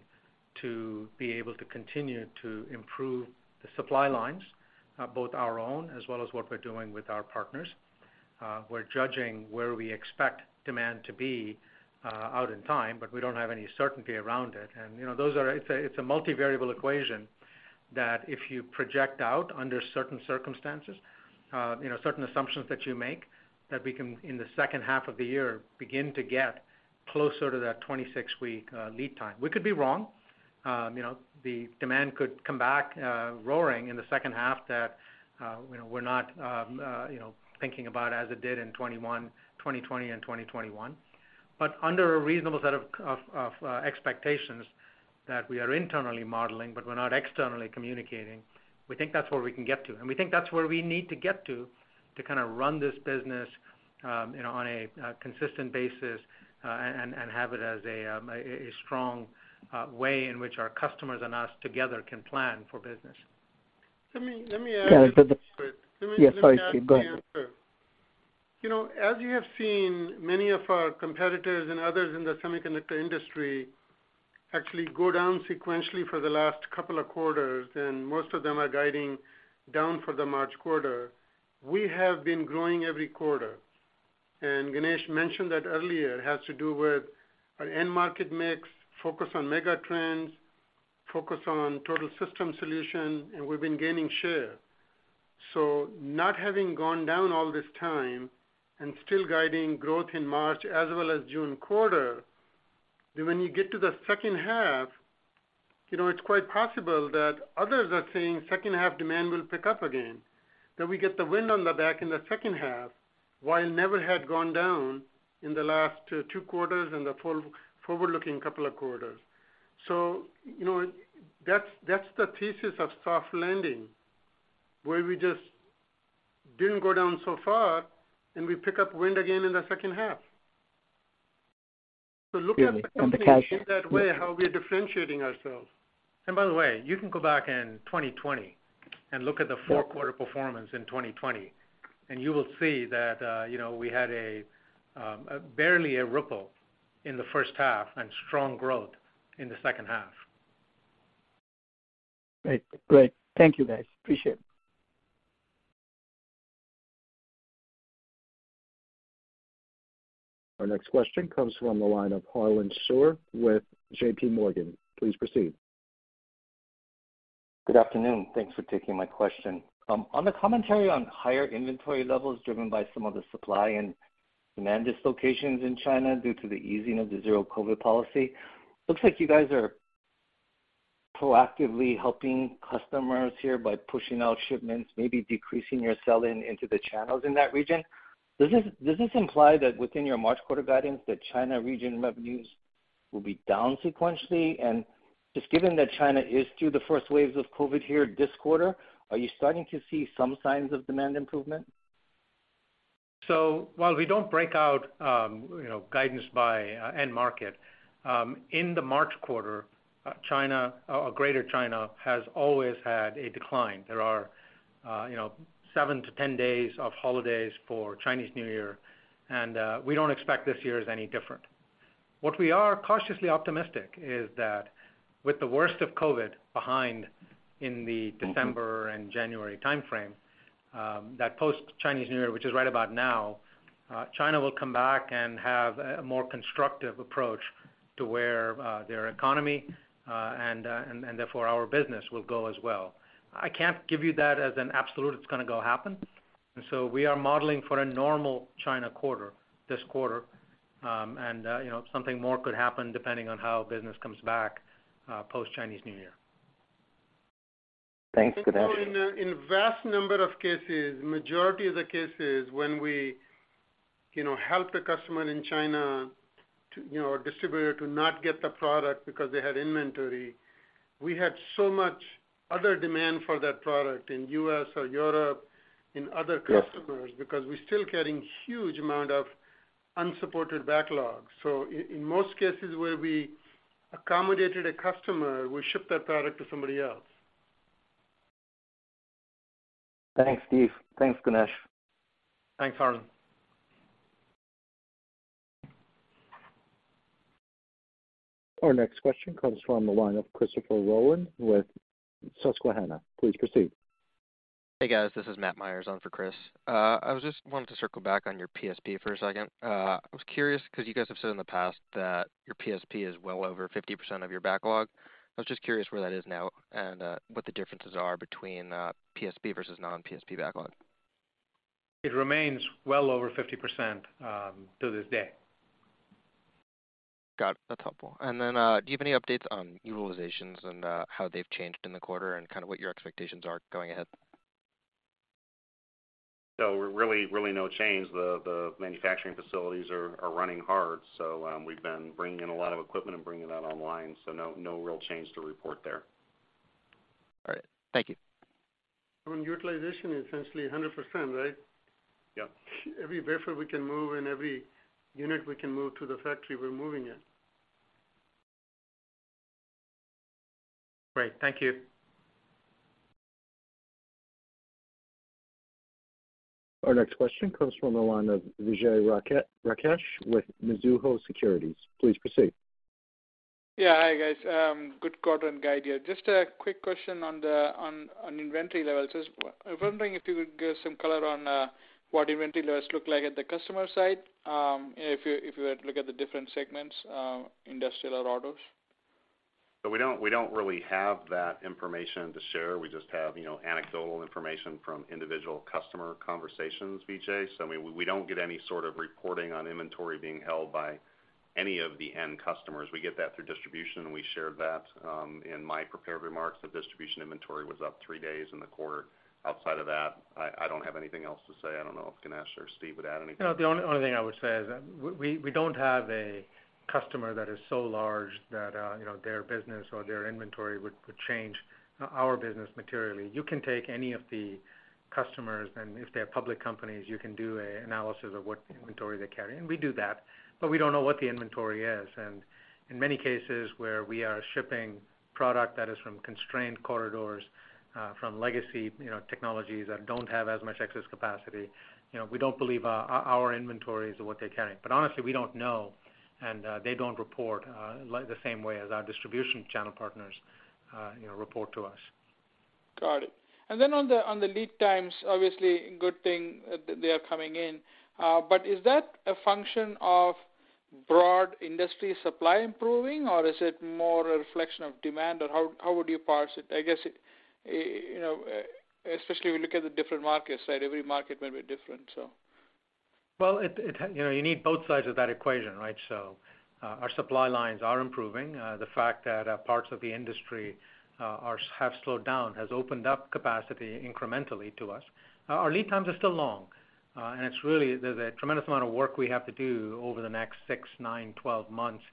to be able to continue to improve the supply lines, both our own as well as what we're doing with our partners. We're judging where we expect demand to be out in time, but we don't have any certainty around it. It's a, it's a multivariable equation that if you project out under certain circumstances you know certain assumptions that you make that we can, in the second half of the year, begin to get closer to that 26-week lead time. We could be wrong. You know, the demand could come back roaring in the second half that you know we're not you know thinking about as it did in 2020 and 2021. Under a reasonable set of expectations that we are internally modeling but we're not externally communicating, we think that's where we can get to. We think that's where we need to get to kind of run this business you know on a consistent basis, and have it as a strong way in which our customers and us together can plan for business. Let me add. Yeah, so.... let me add to the answer. You know, as you have seen, many of our competitors and others in the semiconductor industry actually go down sequentially for the last couple of quarters, and most of them are guiding down for the March quarter. We have been growing every quarter. Ganesh mentioned that earlier. It has to do with our end market mix, focus on mega trends, focus on Total System Solutions, and we've been gaining share. Not having gone down all this time and still guiding growth in March as well as June quarter, then when you get to the second half you know it's quite possible that others are saying second half demand will pick up again, that we get the wind on the back in the second half, while never had gone down in the last, two quarters and the forward-looking couple of quarters. You know, that's the thesis of soft landing, where we just didn't go down so far and we pick up wind again in the second half. Look at the company in that way, how we're differentiating ourselves. By the way, you can go back in 2020 and look at the four-quarter performance in 2020, and you will see that you know we had a barely a ripple in the first half and strong growth in the second half. Great. Great. Thank you guys. Appreciate it. Our next question comes from the line of Harlan Sur with J.P. Morgan. Please proceed. Good afternoon. Thanks for taking my question. On the commentary on higher inventory levels driven by some of the supply and demand dislocations in China due to the easing of the zero-COVID policy, looks like you guys are proactively helping customers here by pushing out shipments, maybe decreasing your sell-in into the channels in that region. Does this imply that within your March quarter guidance that China region revenues will be down sequentially? Just given that China is through the first waves of COVID here this quarter, are you starting to see some signs of demand improvement? While we don't break out you know guidance by end market, in the March quarter, China or greater China has always had a decline. There are you know 7-10 days of holidays for Chinese New Year, and we don't expect this year is any different. What we are cautiously optimistic is that with the worst of COVID behind in the December and January timeframe, that post-Chinese New Year, which is right about now, China will come back and have a more constructive approach to where their economy and therefore our business will go as well. I can't give you that as an absolute it's gonna go happen. We are modeling for a normal China quarter this quarter, and you know something more could happen depending on how business comes back, post-Chinese New Year. Thanks, Ganesh. In vast number of cases, majority of the cases when we you know help the customer in China to you know or distributor to not get the product because they had inventory, we had so much other demand for that product in U.S. or Europe, in other customers, because we're still getting huge amount of unsupported backlog. In most cases where we accommodated a customer, we ship that product to somebody else. Thanks, Steve. Thanks, Ganesh. Thanks, Harlan. Our next question comes from the line of Matthew Myers with Susquehanna. Please proceed. Hey, guys. This is Matt Myers on for Chris. I was just wanting to circle back on your PSP for a second. I was curious because you guys have said in the past that your PSP is well over 50% of your backlog. I was just curious where that is now and what the differences are between PSP versus non-PSP backlog. It remains well over 50% to this day. Got it. That's helpful. Then, do you have any updates on utilizations and how they've changed in the quarter and kind of what your expectations are going ahead? Really no change. The manufacturing facilities are running hard, so, we've been bringing in a lot of equipment and bringing that online, so no real change to report there. All right. Thank you. I mean, utilization is essentially 100%, right? Yeah. Every wafer we can move and every unit we can move to the factory, we're moving it. Great. Thank you. Our next question comes from the line of Vijay Rakesh with Mizuho Securities. Please proceed. Yeah. Hi, guys. good quarter and guide here. Just a quick question on the on inventory levels. Just I'm wondering if you could give some color on what inventory levels look like at the customer side, if you had to look at the different segments, industrial or autos? We don't really have that information to share. We just have you know anecdotal information from individual customer conversations, Vijay. We don't get any sort of reporting on inventory being held by any of the end customers. We get that through distribution, and we shared that in my prepared remarks. The distribution inventory was up three days in the quarter. Outside of that, I don't have anything else to say. I don't know if Ganesh or Steve would add anything. No, the only thing I would say is that we don't have a customer that is so large that, you know their business or their inventory could change our business materially. You can take any of the customers, if they're public companies, you can do a analysis of what inventory they carry, we do that, but we don't know what the inventory is. In many cases where we are shipping product that is from constrained corridors, from legacy, you know, technologies that don't have as much excess capacity, you know, we don't believe our inventory is what they're carrying. Honestly, we don't know, and they don't report like the same way as our distribution channel partners, you know, report to us. Got it. On the, on the lead times, obviously, good thing they are coming in. Is that a function of broad industry supply improving, or is it more a reflection of demand? How, how would you parse it? I guess it, you know, especially we look at the different markets, right? Every market may be different, so. it, you know, you need both sides of that equation, right? Our supply lines are improving. The fact that parts of the industry have slowed down has opened up capacity incrementally to us. Our lead times are still long, and it's really, there's a tremendous amount of work we have to do over the next 6, 9, 12 months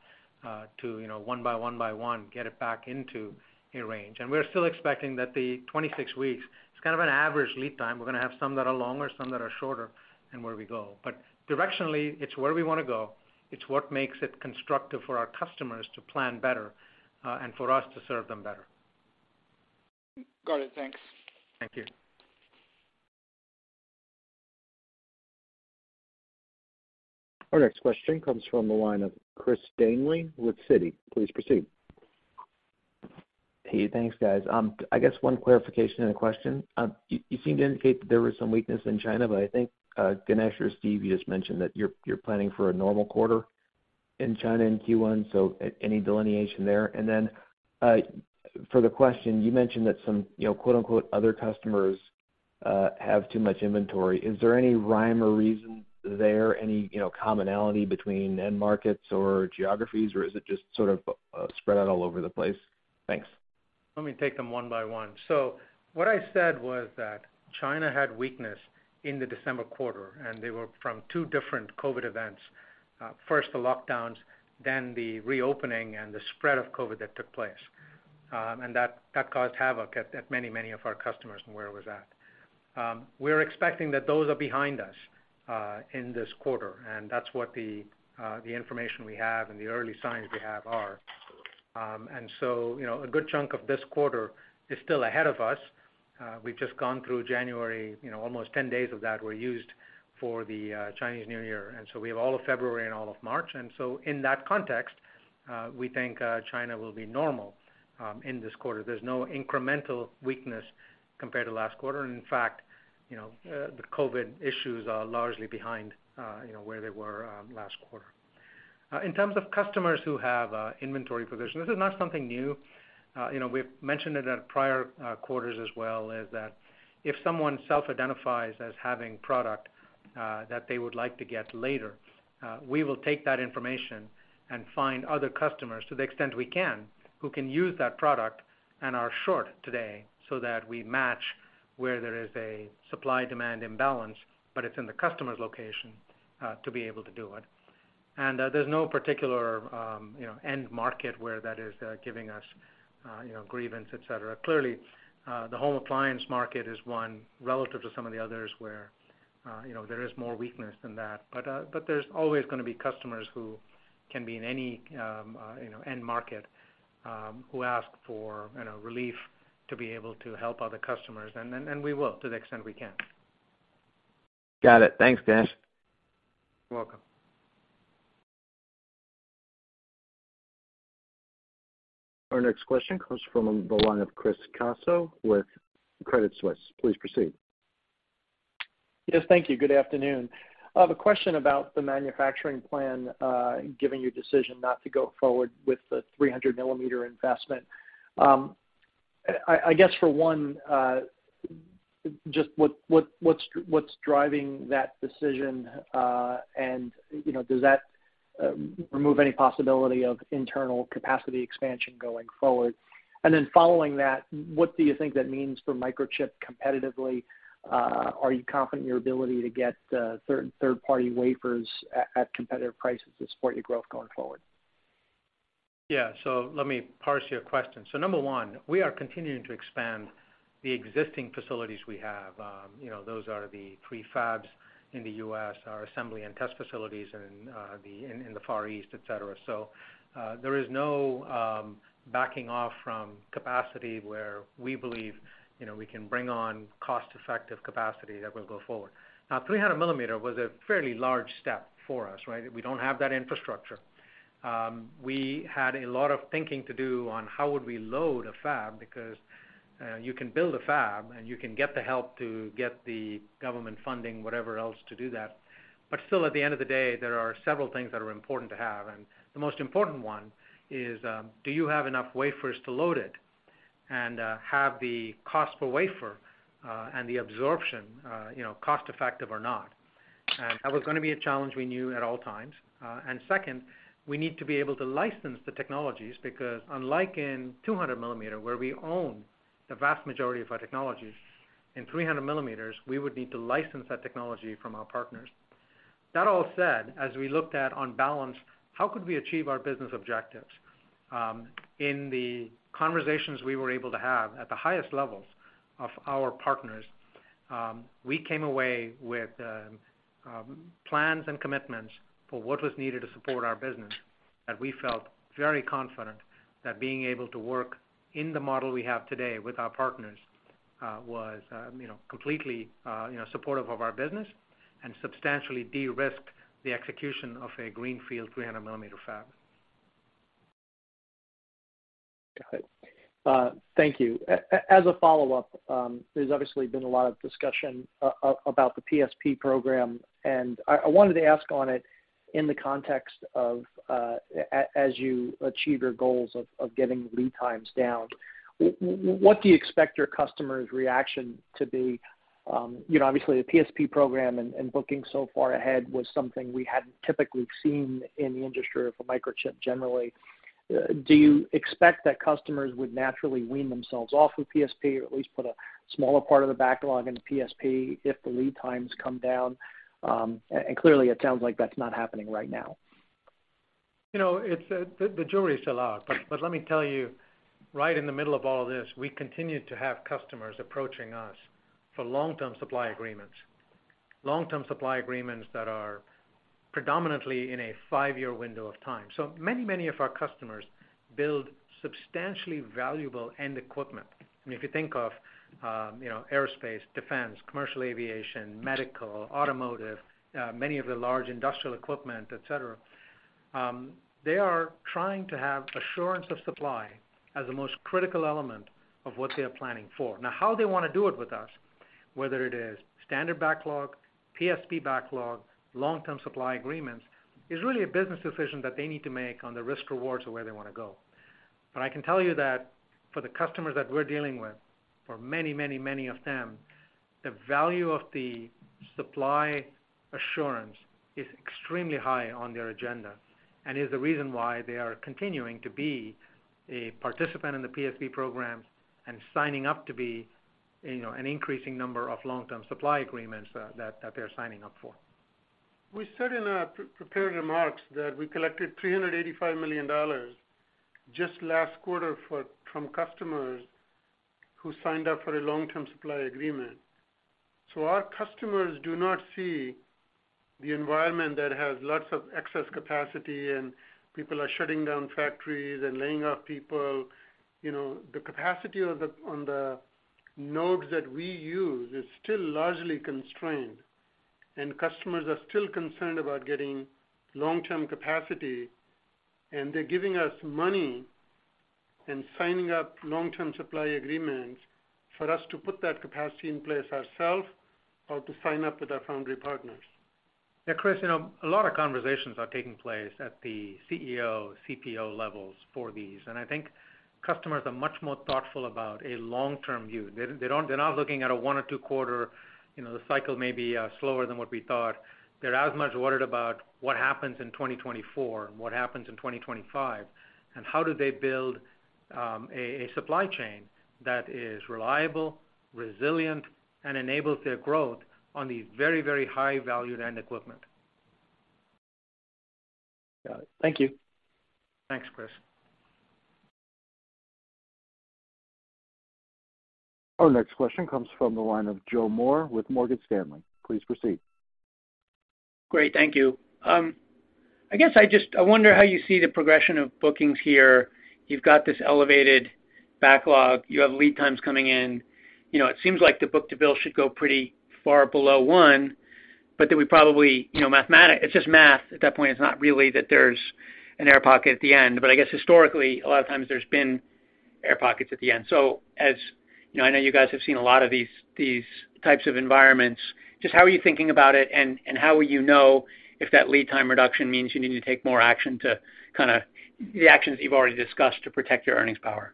to, you know, one by one by one, get it back into a range. We're still expecting that the 26 weeks, it's kind of an average lead time. We're gonna have some that are longer, some that are shorter in where we go. Directionally, it's where we wanna go. It's what makes it constructive for our customers to plan better, and for us to serve them better. Got it. Thanks. Thank you. Our next question comes from the line of Chris Danely with Citi. Please proceed. Hey. Thanks, guys. I guess one clarification and a question. You seem to indicate that there was some weakness in China, but I think Ganesh or Steve, you just mentioned that you're planning for a normal quarter in China in Q1, so any delineation there? For the question, you mentioned that some, you know, quote-unquote, "other customers," have too much inventory. Is there any rhyme or reason there? Any, you know, commonality between end markets or geographies, or is it just sort of spread out all over the place? Thanks. Let me take them one by one. What I said was that China had weakness in the December quarter, and they were from two different COVID events. First, the lockdowns, then the reopening and the spread of COVID that took place. And that caused havoc at many of our customers and where it was at. We're expecting that those are behind us in this quarter, and that's what the information we have and the early signs we have are. You know, a good chunk of this quarter is still ahead of us. We've just gone through January. You know, almost 10 days of that were used for the Chinese New Year, and so we have all of February and all of March. In that context, we think China will be normal in this quarter. There's no incremental weakness compared to last quarter. In fact, you know, the COVID issues are largely behind, you know, where they were last quarter. In terms of customers who have inventory positions, this is not something new. You know, we've mentioned it at prior quarters as well, is that if someone self-identifies as having product that they would like to get later, we will take that information and find other customers to the extent we can, who can use that product and are short today so that we match where there is a supply-demand imbalance, but it's in the customer's location to be able to do it. There's no particular, you know, end market where that is giving us, you know, grievance, et cetera. Clearly, the home appliance market is one relative to some of the others where, you know, there is more weakness than that. There's always gonna be customers who can be in any, you know, end market, who ask for, you know, relief to be able to help other customers. We will, to the extent we can. Got it. Thanks, Ganesh. You're welcome. Our next question comes from the line of Chris Caso with Credit Suisse. Please proceed. Yes, thank you. Good afternoon. I have a question about the manufacturing plan, given your decision not to go forward with the 300mm investment. I guess for one, just what's driving that decision? you know, does that remove any possibility of internal capacity expansion going forward? Following that, what do you think that means for Microchip competitively? Are you confident in your ability to get third-party wafers at competitive prices to support your growth going forward? Let me parse your question. Number one, we are continuing to expand the existing facilities we have. you know, those are the three fabs in the U.S., our assembly and test facilities in the Far East, et cetera. There is no backing off from capacity where we believe, you know, we can bring on cost-effective capacity that will go forward. 300mm was a fairly large step for us, right? We don't have that infrastructure. We had a lot of thinking to do on how would we load a fab, because you can build a fab, and you can get the help to get the government funding, whatever else to do that. Still, at the end of the day, there are several things that are important to have, and the most important one is, do you have enough wafers to load it and have the cost per wafer and the absorption, you know, cost-effective or not? That was gonna be a challenge we knew at all times. Second, we need to be able to license the technologies because unlike in 200 millimeter where we own the vast majority of our technologies, in 300 millimeters, we would need to license that technology from our partners. That all said, as we looked at on balance, how could we achieve our business objectives? In the conversations we were able to have at the highest levels of our partners, we came away with plans and commitments for what was needed to support our business that we felt very confident that being able to work in the model we have today with our partners, was, you know, completely, you know, supportive of our business and substantially de-risk the execution of a greenfield 300mm fab. Got it. Thank you. As a follow-up, there's obviously been a lot of discussion about the PSP program, and I wanted to ask on it in the context of as you achieve your goals of getting lead times down. What do you expect your customers' reaction to be? You know, obviously, the PSP program and booking so far ahead was something we hadn't typically seen in the industry or for Microchip generally. Do you expect that customers would naturally wean themselves off of PSP, or at least put a smaller part of the backlog into PSP if the lead times come down? Clearly it sounds like that's not happening right now. You know, it's, the jury is still out. Let me tell you, right in the middle of all this, we continue to have customers approaching us for long-term supply agreements. Long-term supply agreements that are predominantly in a five-year window of time. Many of our customers build substantially valuable end equipment. I mean, if you think of, you know, aerospace, defense, commercial aviation, medical, automotive, many of the large industrial equipment, et cetera, they are trying to have assurance of supply as the most critical element of what they're planning for. Now, how they wanna do it with us, whether it is standard backlog, PSP backlog, long-term supply agreements, is really a business decision that they need to make on the risk rewards of where they wanna go. I can tell you that for the customers that we're dealing with, for many, many, many of them, the value of the supply assurance is extremely high on their agenda and is the reason why they are continuing to be a participant in the PSP programs and signing up to be, you know, an increasing number of long-term supply agreements that they're signing up for. We said in our prepared remarks that we collected $385 million just last quarter from customers who signed up for a long-term supply agreement. Our customers do not see the environment that has lots of excess capacity and people are shutting down factories and laying off people. You know, the capacity on the nodes that we use is still largely constrained, and customers are still concerned about getting long-term capacity, and they're giving us money. Signing up long-term supply agreements for us to put that capacity in place ourselves or to sign up with our foundry partners. Chris, you know, a lot of conversations are taking place at the CEO, CPO levels for these, and I think customers are much more thoughtful about a long-term view. They're not looking at a 1 or 2 quarter, you know, the cycle may be slower than what we thought. They're as much worried about what happens in 2024 and what happens in 2025, and how do they build, a supply chain that is reliable, resilient, and enables their growth on these very high value end equipment. Got it. Thank you. Thanks, Chris. Our next question comes from the line of Joe Moore with Morgan Stanley. Please proceed. Great. Thank you. I guess I wonder how you see the progression of bookings here. You've got this elevated backlog. You have lead times coming in. You know, it seems like the book-to-bill should go pretty far below one, but that we probably, you know, it's just math at that point. It's not really that there's an air pocket at the end. I guess historically, a lot of times there's been air pockets at the end. As, you know, I know you guys have seen a lot of these types of environments, just how are you thinking about it, and how will you know if that lead time reduction means you need to take more action to the actions you've already discussed to protect your earnings power?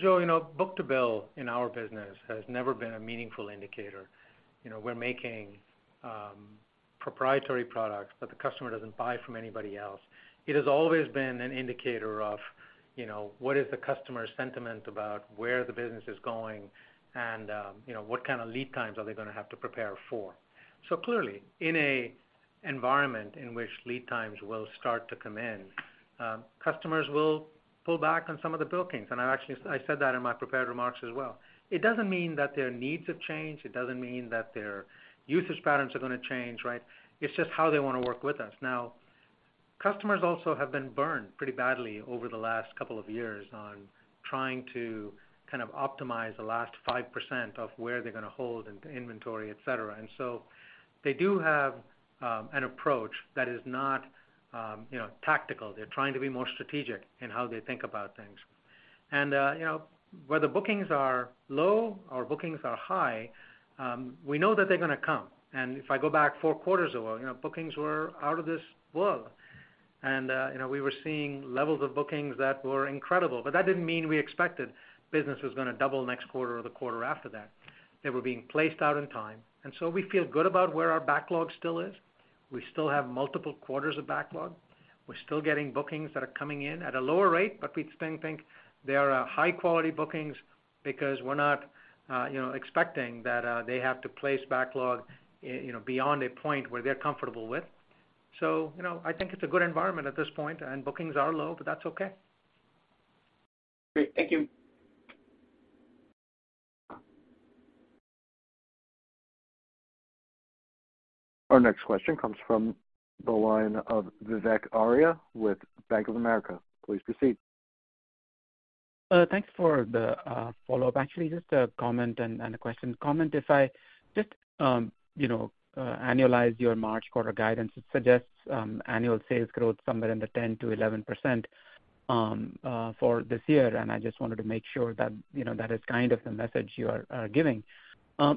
Joe, you know, book-to-bill in our business has never been a meaningful indicator. You know, we're making proprietary products that the customer doesn't buy from anybody else. It has always been an indicator of, you know, what is the customer sentiment about where the business is going and, you know, what kind of lead times are they gonna have to prepare for. Clearly, in an environment in which lead times will start to come in, customers will pull back on some of the bookings. I actually said that in my prepared remarks as well. It doesn't mean that their needs have changed. It doesn't mean that their usage patterns are gonna change, right? It's just how they wanna work with us. Customers also have been burned pretty badly over the last couple of years on trying to kind of optimize the last 5% of where they're gonna hold in inventory, et cetera. They do have, an approach that is not, you know, tactical. They're trying to be more strategic in how they think about things. You know, whether bookings are low or bookings are high, we know that they're gonna come. If I go back 4 quarters ago, you know, bookings were out of this world. You know, we were seeing levels of bookings that were incredible, but that didn't mean we expected business was gonna double next quarter or the quarter after that. They were being placed out in time. We feel good about where our backlog still is. We still have multiple quarters of backlog. We're still getting bookings that are coming in at a lower rate, but we'd think they are high-quality bookings because we're not, you know, expecting that they have to place backlog, you know, beyond a point where they're comfortable with. You know, I think it's a good environment at this point. Bookings are low, but that's okay. Great. Thank you. Our next question comes from the line of Vivek Arya with Bank of America. Please proceed. Thanks for the follow-up. Actually, just a comment and a question. Comment if I just, you know, annualize your March quarter guidance, it suggests annual sales growth somewhere in the 10%-11% for this year, and I just wanted to make sure that, you know, that is kind of the message you are giving.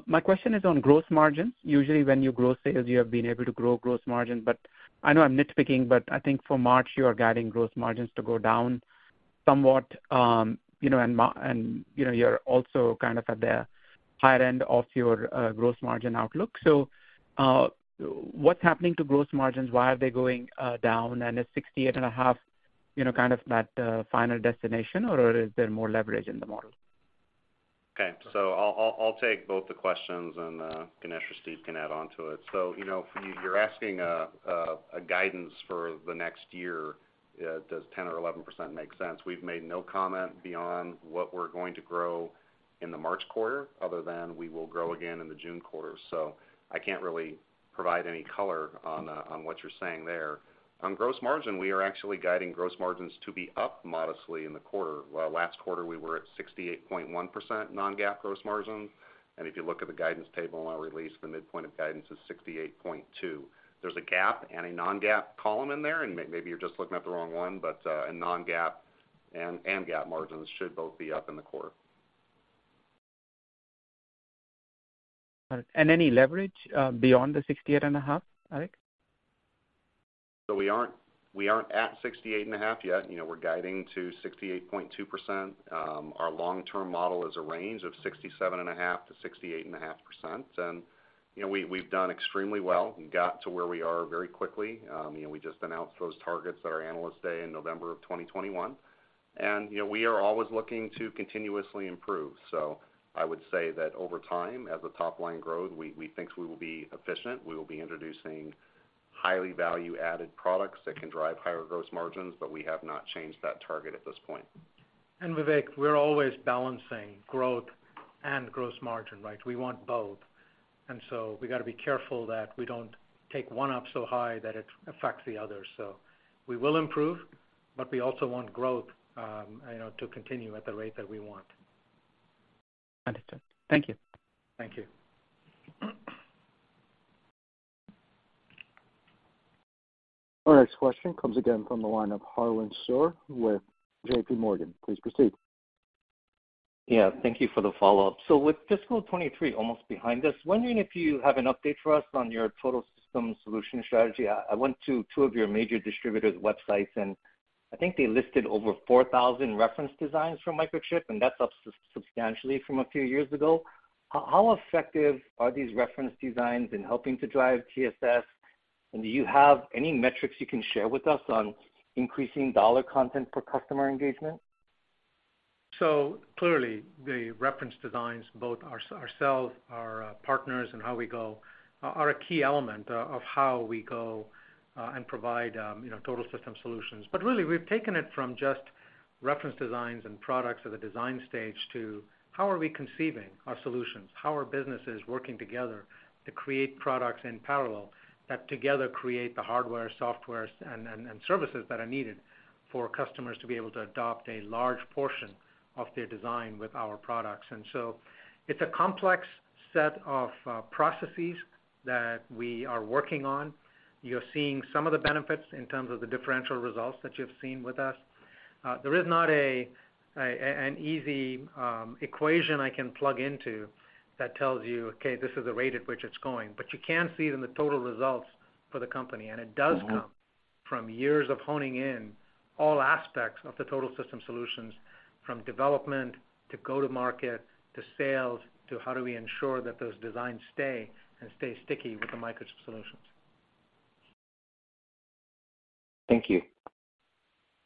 My question is on gross margins. Usually when you grow sales, you have been able to grow gross margin. I know I'm nitpicking, but I think for March, you are guiding gross margins to go down somewhat, you know, and, you know, you're also kind of at the higher end of your gross margin outlook. What's happening to gross margins? Why are they going down? Is 68.5%, you know, kind of that final destination, or is there more leverage in the model? Okay. I'll take both the questions and Ganesh or Steve can add on to it. You know, you're asking a guidance for the next year, does 10% or 11% make sense? We've made no comment beyond what we're going to grow in the March quarter other than we will grow again in the June quarter. I can't really provide any color on what you're saying there. On gross margin, we are actually guiding gross margins to be up modestly in the quarter. Last quarter, we were at 68.1% non-GAAP gross margin. If you look at the guidance table in our release, the midpoint of guidance is 68.2%. There's a GAAP and a non-GAAP column in there, and maybe you're just looking at the wrong one. A non-GAAP and GAAP margins should both be up in the quarter. All right. Any leverage beyond the 68.5, Eric? We aren't at 68.5 yet. You know, we're guiding to 68.2%. Our long-term model is a range of 67.5%-68.5%. You know, we've done extremely well. We got to where we are very quickly. You know, we just announced those targets at our Analyst Day in November of 2021. You know, we are always looking to continuously improve. I would say that over time, as the top line grows, we think we will be efficient. We will be introducing highly value-added products that can drive higher gross margins, but we have not changed that target at this point. Vivek, we're always balancing growth and gross margin, right? We want both. We gotta be careful that we don't take one up so high that it affects the other. We will improve, but we also want growth, you know, to continue at the rate that we want. Understood. Thank you. Thank you. Our next question comes again from the line of Harlan Sur with J.P. Morgan. Please proceed. Yeah, thank you for the follow-up. With fiscal 23 almost behind us, wondering if you have an update for us on your Total System Solutions strategy. I went to two of your major distributors websites, and I think they listed over 4,000 reference designs from Microchip, and that's up substantially from a few years ago. How effective are these reference designs in helping to drive TSS? Do you have any metrics you can share with us on increasing dollar content per customer engagement? Clearly, the reference designs, both ourselves, our partners and how we go, are a key element of how we go and provide, you know, Total System Solutions. Really, we've taken it from just reference designs and products at the design stage to how are we conceiving our solutions, how are businesses working together to create products in parallel that together create the hardware, software and services that are needed for customers to be able to adopt a large portion of their design with our products. It's a complex set of processes that we are working on. You're seeing some of the benefits in terms of the differential results that you've seen with us. There is not an easy equation I can plug into that tells you, okay, this is the rate at which it's going, but you can see it in the total results for the company. It does come from years of honing in all aspects of the Total System Solutions from development to go-to-market, to sales, to how do we ensure that those designs stay sticky with the Microchip solutions. Thank you.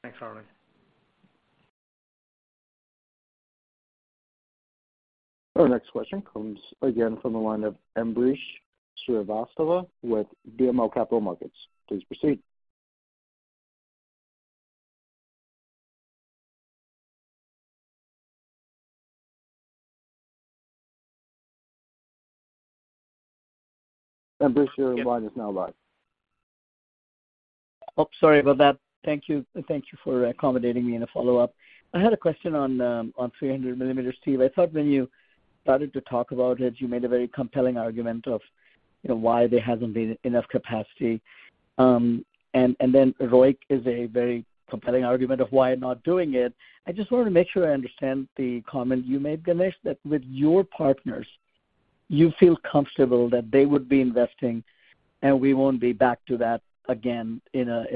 Thanks, Harlan. Our next question comes again from the line of Ambrish Srivastava with BMO Capital Markets. Please proceed. Ambrish, your line is now live. Oh, sorry about that. Thank you. Thank you for accommodating me in a follow-up. I had a question on 300mm, Steve. I thought when you started to talk about it, you made a very compelling argument of, you know, why there hasn't been enough capacity. ROIC is a very compelling argument of why not doing it. I just wanna make sure I understand the comment you made, Ganesh, that with your partners, you feel comfortable that they would be investing, and we won't be back to that again in a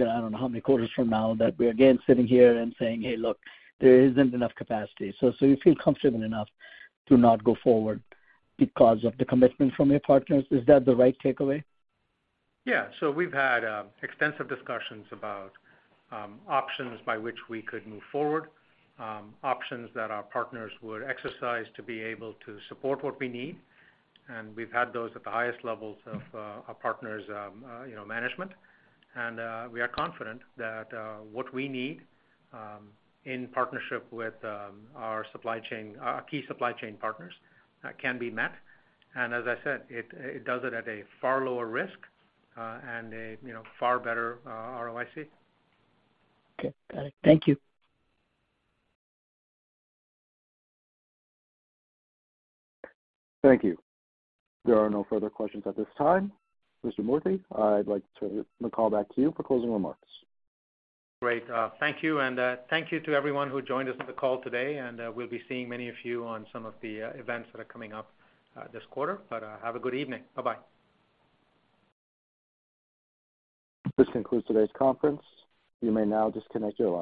I don't know how many quarters from now that we're again sitting here and saying, "Hey, look, there isn't enough capacity." You feel comfortable enough to not go forward because of the commitment from your partners. Is that the right takeaway? Yeah. We've had extensive discussions about options by which we could move forward, options that our partners would exercise to be able to support what we need. We've had those at the highest levels of our partners, you know, management. We are confident that what we need, in partnership with our supply chain, our key supply chain partners, can be met. As I said, it does it at a far lower risk and a, you know, far better ROIC. Okay. Got it. Thank you. Thank you. There are no further questions at this time. Mr. Moorthy, I'd like to call back to you for closing remarks. Great. Thank you. Thank you to everyone who joined us on the call today. We'll be seeing many of you on some of the events that are coming up this quarter. Have a good evening. Bye-bye. This concludes today's conference. You may now disconnect your line.